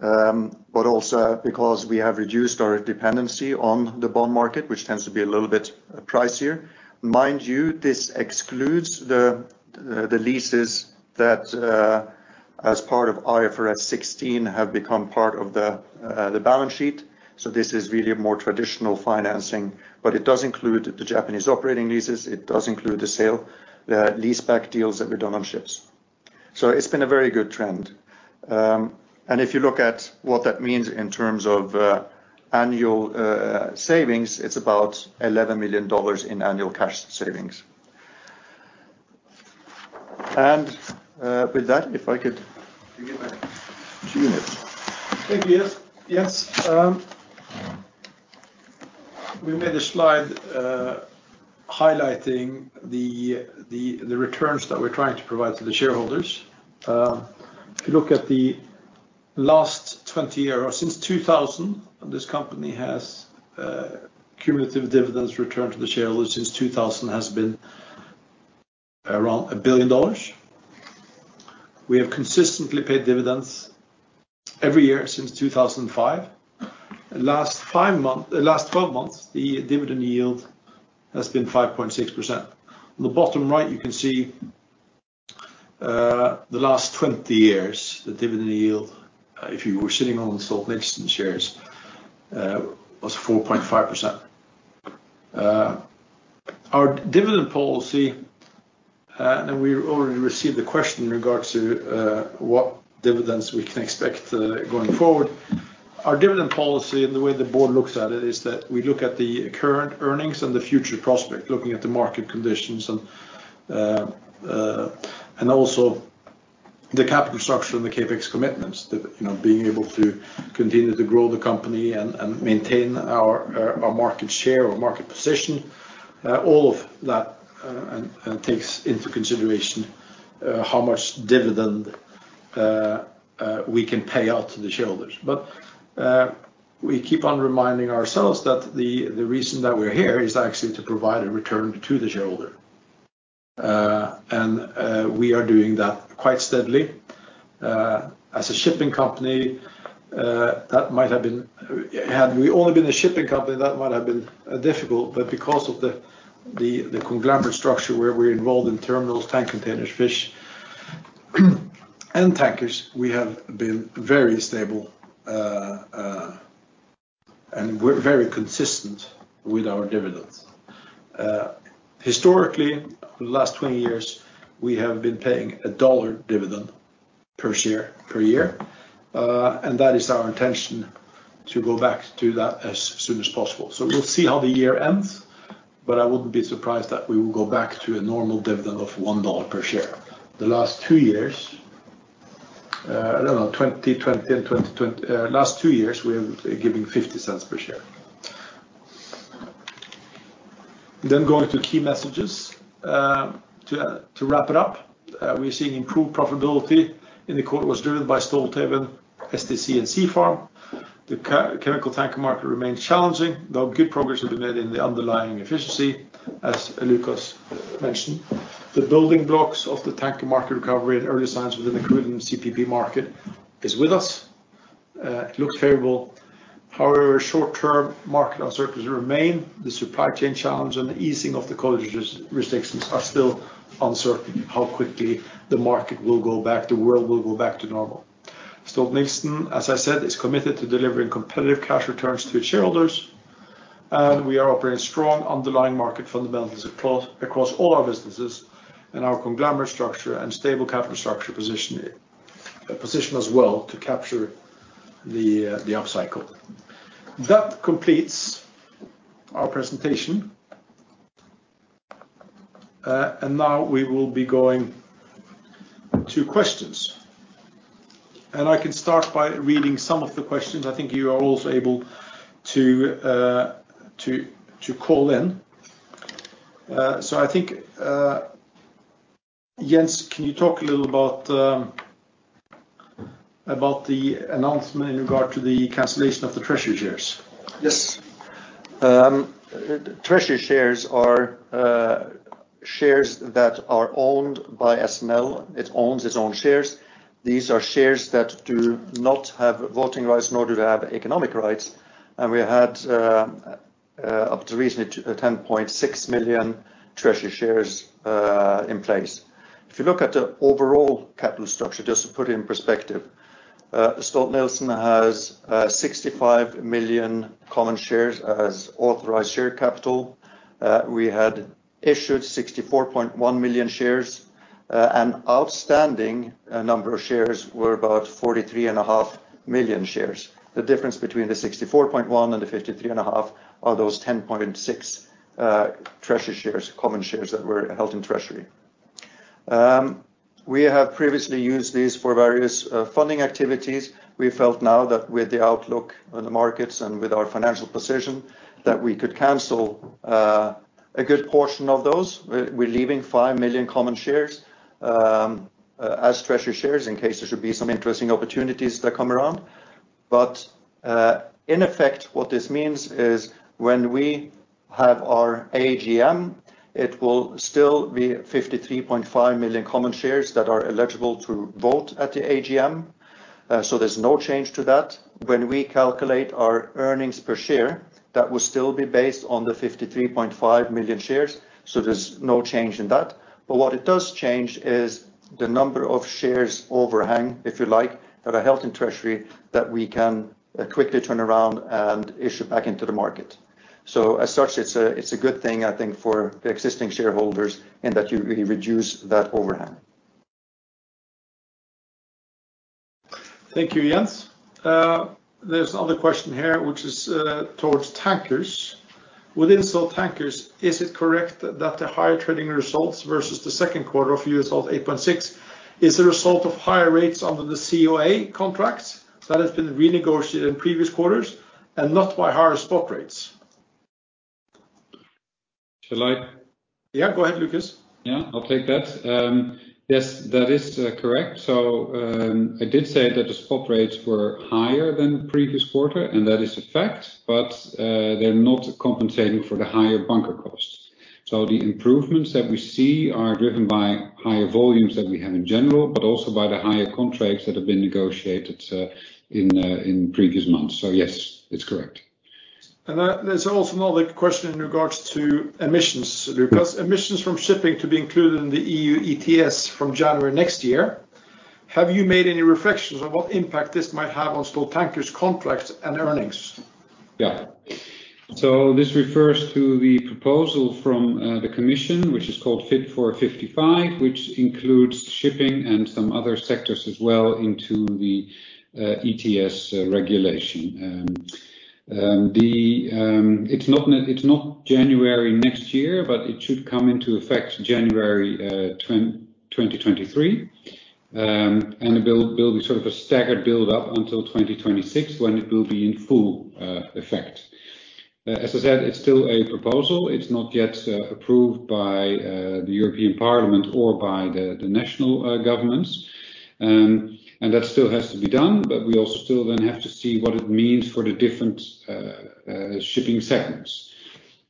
[SPEAKER 3] but also because we have reduced our dependency on the bond market, which tends to be a little bit pricier. Mind you, this excludes the leases that, as part of IFRS 16, have become part of the balance sheet. This is really more traditional financing, but it does include the Japanese operating leases. It does include the sale and the leaseback deals that we've done on ships. It's been a very good trend. If you look at what that means in terms of annual savings, it's about $11 million in annual cash savings. With that, I could give to Niels.
[SPEAKER 1] Thank you. Yes. We made a slide highlighting the returns that we're trying to provide to the shareholders. If you look at the last 20 years, since 2000, this company has had cumulative dividends returned to the shareholders since 2000 has been around $1 billion. We have consistently paid dividends every year since 2005. The last 12 months, the dividend yield has been 5.6%. On the bottom right, you can see the last 20 years; the dividend yield, if you were sitting on Stolt-Nielsen shares, was 4.5%. Our dividend policy, and we already received a question in regard to what dividends we can expect going forward. Our dividend policy and the way the board looks at it is that we look at the current earnings and the future prospect, looking at the market conditions and also the capital structure and the CapEx commitments. Being able to continue to grow the company and maintain our market share or market position. All of that takes into consideration how much dividend we can pay out to the shareholders. We keep on reminding ourselves that the reason that we're here is actually to provide a return to the shareholder. We are doing that quite steadily. Had we only been a shipping company, that might have been difficult. Because of the conglomerate structure where we're involved in Stolthaven Terminals, Stolt Tank Containers, Stolt Sea Farm, and Stolt Tankers, we have been very stable, and we're very consistent with our dividends. Historically, for the last 20 years, we have been paying a $1 dividend per share per year. That is our intention to go back to that as soon as possible. We'll see how the year ends, but I wouldn't be surprised that we will go back to a normal dividend of $1 per share. The last two years, we have given $0.50 per share. Going to key messages to wrap it up. We are seeing improved profitability in the quarter was driven by Stolthaven, STC, and Stolt Sea Farm. The chemical tanker market remains challenging, though good progress has been made in the underlying efficiency, as Lucas mentioned. The building blocks of the tanker market recovery and early signs within the crude and CPP markets are with us. It looks favorable. However, short-term market uncertainties remain. The supply chain challenge and the easing of the COVID restrictions are still uncertain. How quickly the market will go back and the world will go back to normal. Stolt-Nielsen, as I said, is committed to delivering competitive cash returns to its shareholders. We are operating strong underlying market fundamentals across all our businesses, and our conglomerate structure and stable capital structure position us well to capture the upcycle. That completes our presentation. Now we will be going to the questions. I can start by reading some of the questions. I think you are also able to call in. I think, Jens, can you talk a little about the announcement in regard to the cancellation of the treasury shares?
[SPEAKER 3] Yes. Treasury shares are shares that are owned by SNL. It owns its own shares. These are shares that do not have voting rights, nor do they have economic rights. We had, up to recently, 10.6 million treasury shares in place. If you look at the overall capital structure, just to put it in perspective, Stolt-Nielsen has 65 million common shares as authorized share capital. We had issued 64.1 million shares, and the outstanding number of shares was about 43.5 million shares. The difference between the 64.1 and the 53.5 is those 10.6 treasury shares, common shares that were held in treasury. We have previously used these for various funding activities. We felt now that with the outlook on the markets and with our financial position, we could cancel a good portion of those. We are leaving 5 million common shares as treasury shares in case there should be some interesting opportunities that come around. In effect, what this means is when we have our AGM, it will still be 53.5 million common shares that are eligible to vote at the AGM. There's no change to that. When we calculate our earnings per share, that will still be based on the 53.5 million shares, so there's no change in that. What it does change is the number of shares overhanging, if you like, that are held in treasury that we can quickly turn around and issue back into the market. As such, it's a good thing, I think, for the existing shareholders in that you really reduce that overhang.
[SPEAKER 1] Thank you, Jens. There's another question here, which is towards Tankers. Within Stolt Tankers, is it correct that the higher trading results versus the second quarter of the year of 8.6% are a result of higher rates under the COA contracts that have been renegotiated in previous quarters and not higher spot rates?
[SPEAKER 2] Shall I?
[SPEAKER 1] Yeah, go ahead, Lucas.
[SPEAKER 2] Yeah, I'll take that. Yes, that is correct. I did say that the spot rates were higher than previous quarter, and that is a fact, but they are not compensating for the higher bunker costs. The improvements that we see are driven by higher volumes that we have in general but also by the higher contracts that have been negotiated in previous months. Yes, it's correct.
[SPEAKER 1] There's also another question in regard to emissions. Emissions from shipping are to be included in the EU ETS from January next year. Have you made any reflections on what impact this might have on Stolt Tankers contracts and earnings?
[SPEAKER 2] This refers to the proposal from the Commission, which is called Fit for 55, which includes shipping and some other sectors as well into the ETS regulation. It's not January next year, but it should come into effect in January 2023. There will be sort of a staggered buildup until 2026 when it will be in full effect. As I said, it's still a proposal. It's not yet approved by the European Parliament or by the national governments. That still has to be done, but we also still then have to see what it means for the different shipping segments.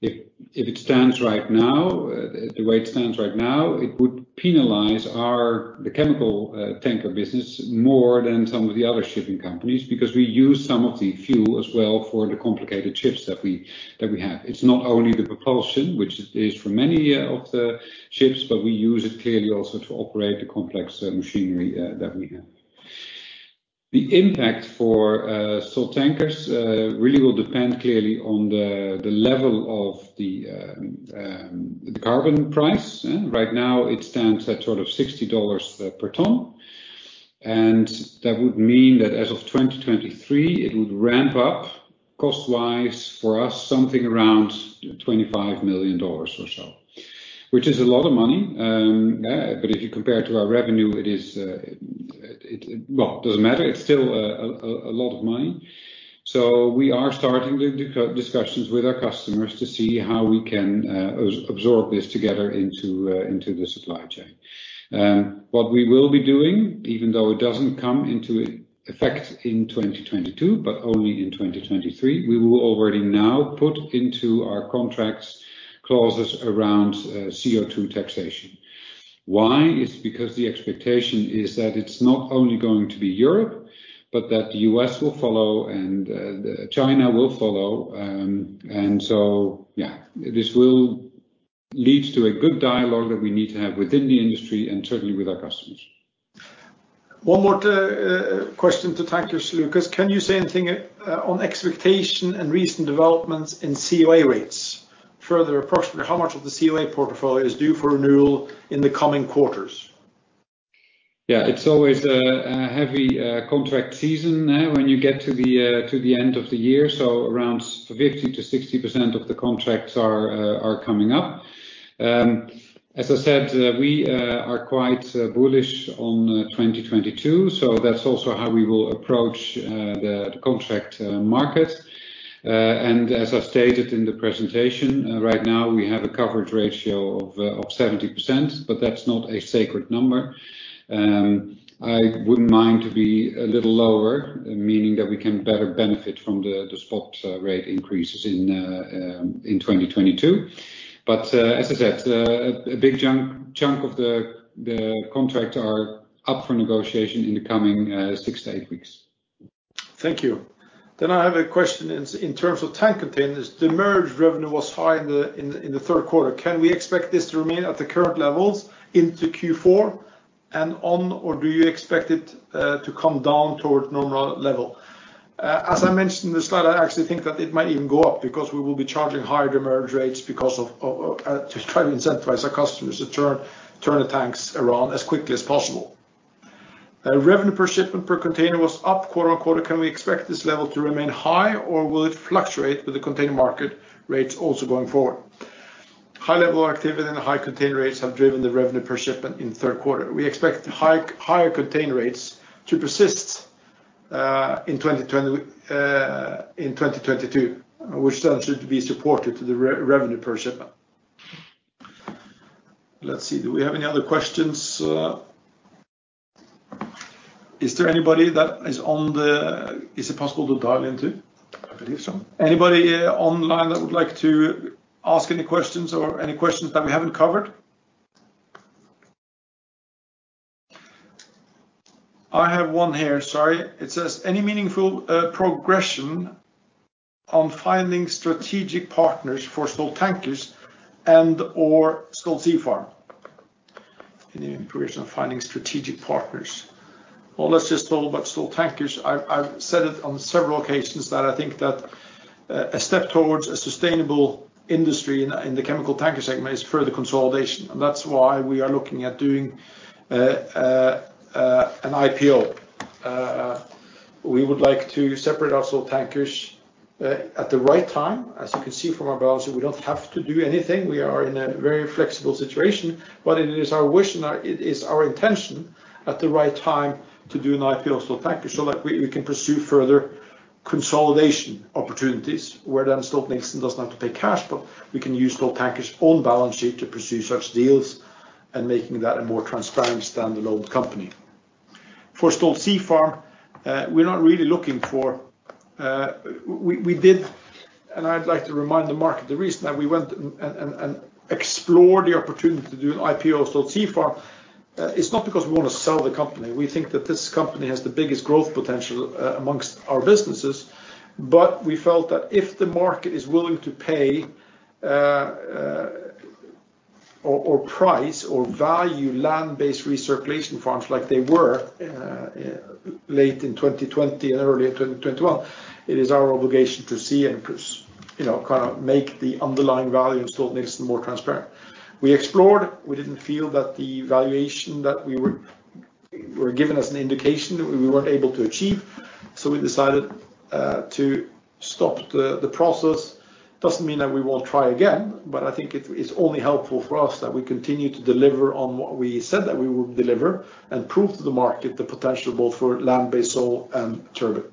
[SPEAKER 2] The way it stands right now, it would penalize the chemical tanker business more than some of the other shipping companies because we use some of the fuel as well for the complicated ships that we have. It's not only the propulsion, which it is for many of the ships, but we also use it clearly to operate the complex machinery that we have. The impact for Stolt Tankers really will depend, clearly, on the level of the carbon price. Right now, it stands at $60 per ton. That would mean that as of 2023, it would ramp up cost-wise for us something around $25 million or so, which is a lot of money. If you compare it to our revenue, it is—well, it doesn't matter. It's still a lot of money. We are starting the discussions with our customers to see how we can absorb this together into the supply chain. What we will be doing, even though it doesn't come into effect in 2022 but only in 2023, is already now putting into our contracts clauses around CO2 taxation. Why? It's because the expectation is that it's not only going to be Europe but also that the U.S. will follow and China will follow. Yeah, this will lead to a good dialogue that we need to have within the industry and certainly with our customers.
[SPEAKER 1] One more question to Tankers, Lucas. Can you say anything on expectations and recent developments in COA rates? Approximately how much of the COA portfolio is due for renewal in the coming quarters?
[SPEAKER 2] It's always a heavy contract season when you get to the end of the year. Around 50%-60% of the contracts are coming up. As I said, we are quite bullish on 2022. That's also how we will approach the contract market. As I stated in the presentation, right now we have a coverage ratio of 70%. That's not a sacred number. I wouldn't mind being a little lower, meaning that we can better benefit from the spot rate increases in 2022. As I said, a big chunk of the contracts are up for negotiation in the coming six to eight weeks.
[SPEAKER 1] Thank you. I have a question in terms of tank containers. Demurrage revenue was high in the third quarter. Can we expect this to remain at the current levels into Q4 and beyond, or do you expect it to come down toward normal levels? As I mentioned in the slide, I actually think that it might even go up because we will be charging higher demurrage rates to try to incentivize our customers to turn the tanks around as quickly as possible. Revenue per shipment per container was up quarter-on-quarter. Can we expect this level to remain high, or will it fluctuate with the container market rates also going forward? High level of activity and high container rates have driven the revenue per shipment in the third quarter. We expect higher container rates to persist in 2022, which should be supportive to the revenue per shipment. Let's see. Do we have any other questions? Is it possible to dial in, too?
[SPEAKER 2] I believe so.
[SPEAKER 1] Anybody online that would like to ask any questions or any questions that we haven't covered? I have one here, sorry. It says, Any meaningful progression on finding strategic partners for Stolt Tankers and/or Stolt Sea Farm? Any progression on finding strategic partners? Well, let's just talk about Stolt Tankers. I've said it on several occasions that I think that a step towards a sustainable industry in the chemical tanker segment is further consolidation, and that's why we are looking at doing an IPO. We would like to separate our Stolt Tankers at the right time. As you can see from our balance sheet, we don't have to do anything. We are in a very flexible situation. It is our wish and it is our intention at the right time to do an IPO on Stolt Tankers so that we can pursue further consolidation opportunities where Stolt-Nielsen doesn't have to pay cash, but we can use Stolt Tankers' own balance sheet to pursue such deals and make that a more transparent standalone company. For Stolt Sea Farm, we did, and I'd like to remind the market of the reason that we went and explored the opportunity to do an IPO of Stolt Sea Farm: it's not because we want to sell the company. We think that this company has the biggest growth potential amongst our businesses. We felt that if the market is willing to pay or price or value land-based recirculation farms like they were late in 2020 and early in 2021, it is our obligation to see and kind of make the underlying value of Stolt-Nielsen more transparent. We explored. We didn't feel that the valuation that we were given was an indication that we were able to achieve, so we decided to stop the process. Doesn't mean that we won't try again, but I think it's only helpful for us that we continue to deliver on what we said that we would deliver and prove to the market the potential for both land-based and turbot.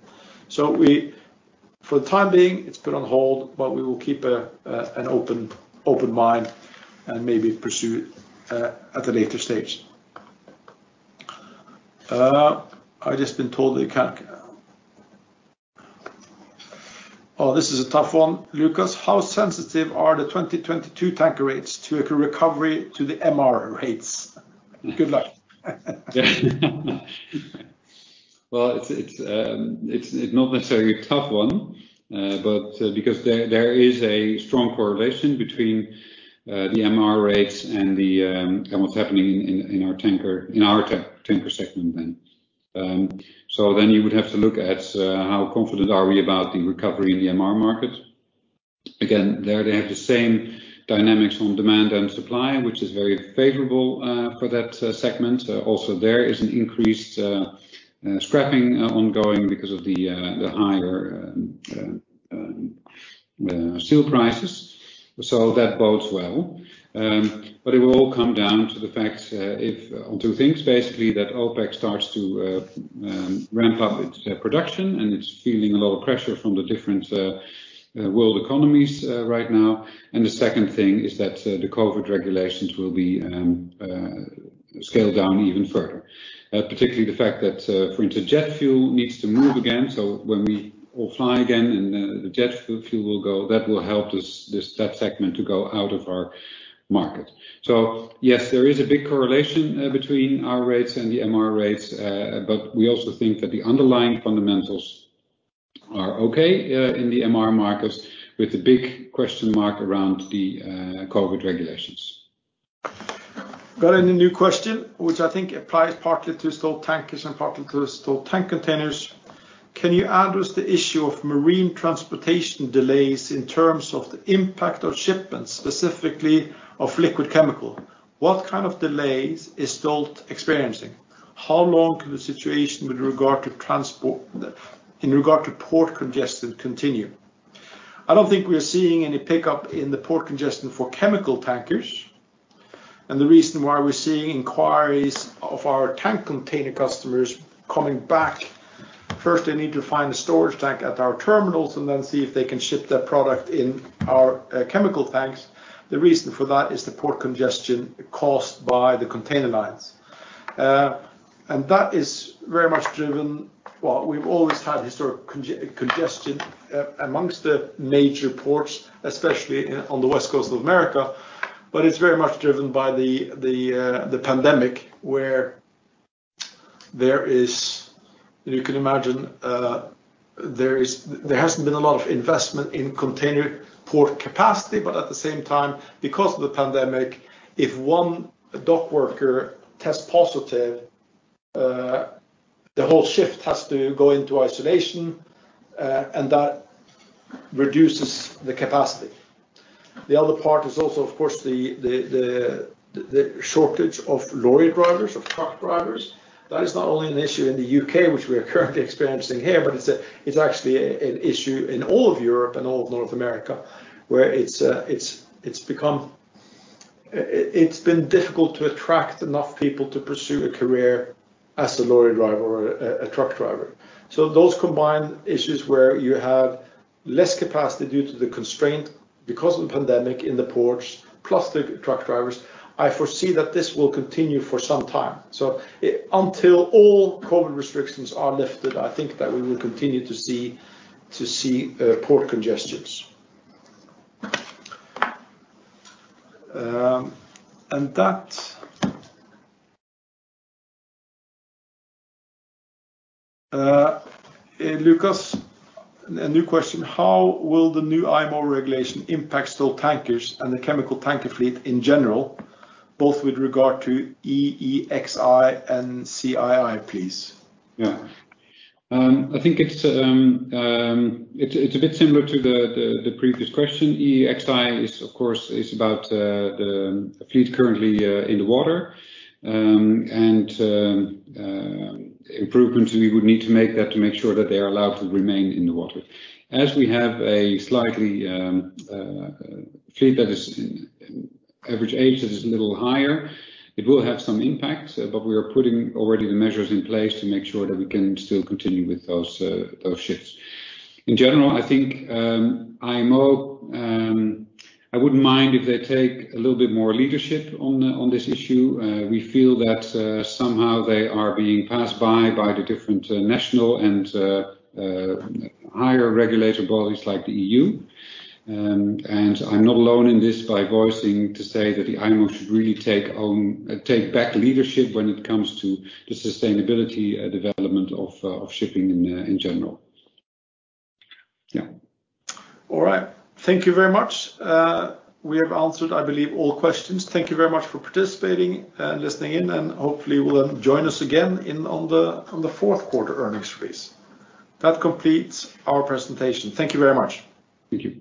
[SPEAKER 1] For the time being, it's put on hold, but we will keep an open mind and maybe pursue it at a later stage. I've just been told you can't. Oh, this is a tough one. Lucas, how sensitive are the 2022 tanker rates to a recovery to the MR rates? Good luck.
[SPEAKER 2] It's not necessarily a tough one, because there is a strong correlation between the MR rates and what's happening in our tanker segment. You would have to look at how confident we are about the recovery in the MR market. Again, there they have the same dynamics of demand and supply, which is very favorable for that segment. Also, there is an increased scrapping ongoing because of the higher steel prices. That bodes well. It will all come down to two things, basically: that OPEC starts to ramp up its production and it feels a lot of pressure from the different world economies right now. The second thing is that the COVID regulations will be scaled down even further. Particularly the fact that, for instance, jet fuel needs to move again. When we all fly again and the jet fuel will go, that will help that segment to go out of our market. Yes, there is a big correlation between our rates and the MR rates, but we also think that the underlying fundamentals are okay in the MR markets, with the big question mark around the COVID regulations.
[SPEAKER 1] Got a new question, which I think applies partly to Stolt Tankers and partly to Stolt Tank Containers. Can you address the issue of marine transportation delays in terms of the impact on shipments, specifically of liquid chemicals? What kind of delays is Stolt experiencing? How long can the situation in regard to port congestion continue? I don't think we are seeing any pickup in the port congestion for chemical tankers, and the reason why we're seeing inquiries of our tank container customers coming back is, first, they need to find a storage tank at our terminals and then see if they can ship their product in our chemical tanks. The reason for that is the port congestion caused by the container lines. That is very much driven; well, we've always had historic congestion amongst the major ports, especially on the West Coast of America, but it's very much driven by the pandemic, where there is, you can imagine, not a lot of investment in container port capacity, but at the same time, because of the pandemic, if one dockworker tests positive, the whole shift has to go into isolation, and that reduces the capacity. The other part is also, of course, the shortage of lorry drivers, of truck drivers. That is not only an issue in the U.K., which we are currently experiencing here, but it's actually an issue in all of Europe and all of North America, where it's been difficult to attract enough people to pursue a career as a lorry driver or a truck driver. Those combined issues, where you have less capacity due to the constraint because of the pandemic in the ports, plus the truck drivers, I foresee that this will continue for some time. Until all COVID restrictions are lifted, I think that we will continue to see port congestions. That's Lucas, a new question. How will the new IMO regulation impact Stolt Tankers and the chemical tanker fleet in general, both with regard to EEXI and CII, please?
[SPEAKER 2] I think it's a bit similar to the previous question. EEXI is, of course, about the fleet currently in the water and improvements we would need to make to make sure that they are allowed to remain in the water. As we have a fleet whose average age is a little higher, it will have some impact, but we are already putting the measures in place to make sure that we can still continue with those ships. In general, I think, IMO, I wouldn't mind if they took a little bit more leadership on this issue. We feel that somehow they are being passed by the different national and higher regulatory bodies like the EU. I'm not alone in this by voicing that the IMO should really take back leadership when it comes to the sustainability development of shipping in general. Yeah.
[SPEAKER 1] All right. Thank you very much. We have answered, I believe, all questions. Thank you very much for participating and listening in, and hopefully you will join us again on the fourth-quarter earnings release. That completes our presentation. Thank you very much.
[SPEAKER 2] Thank you.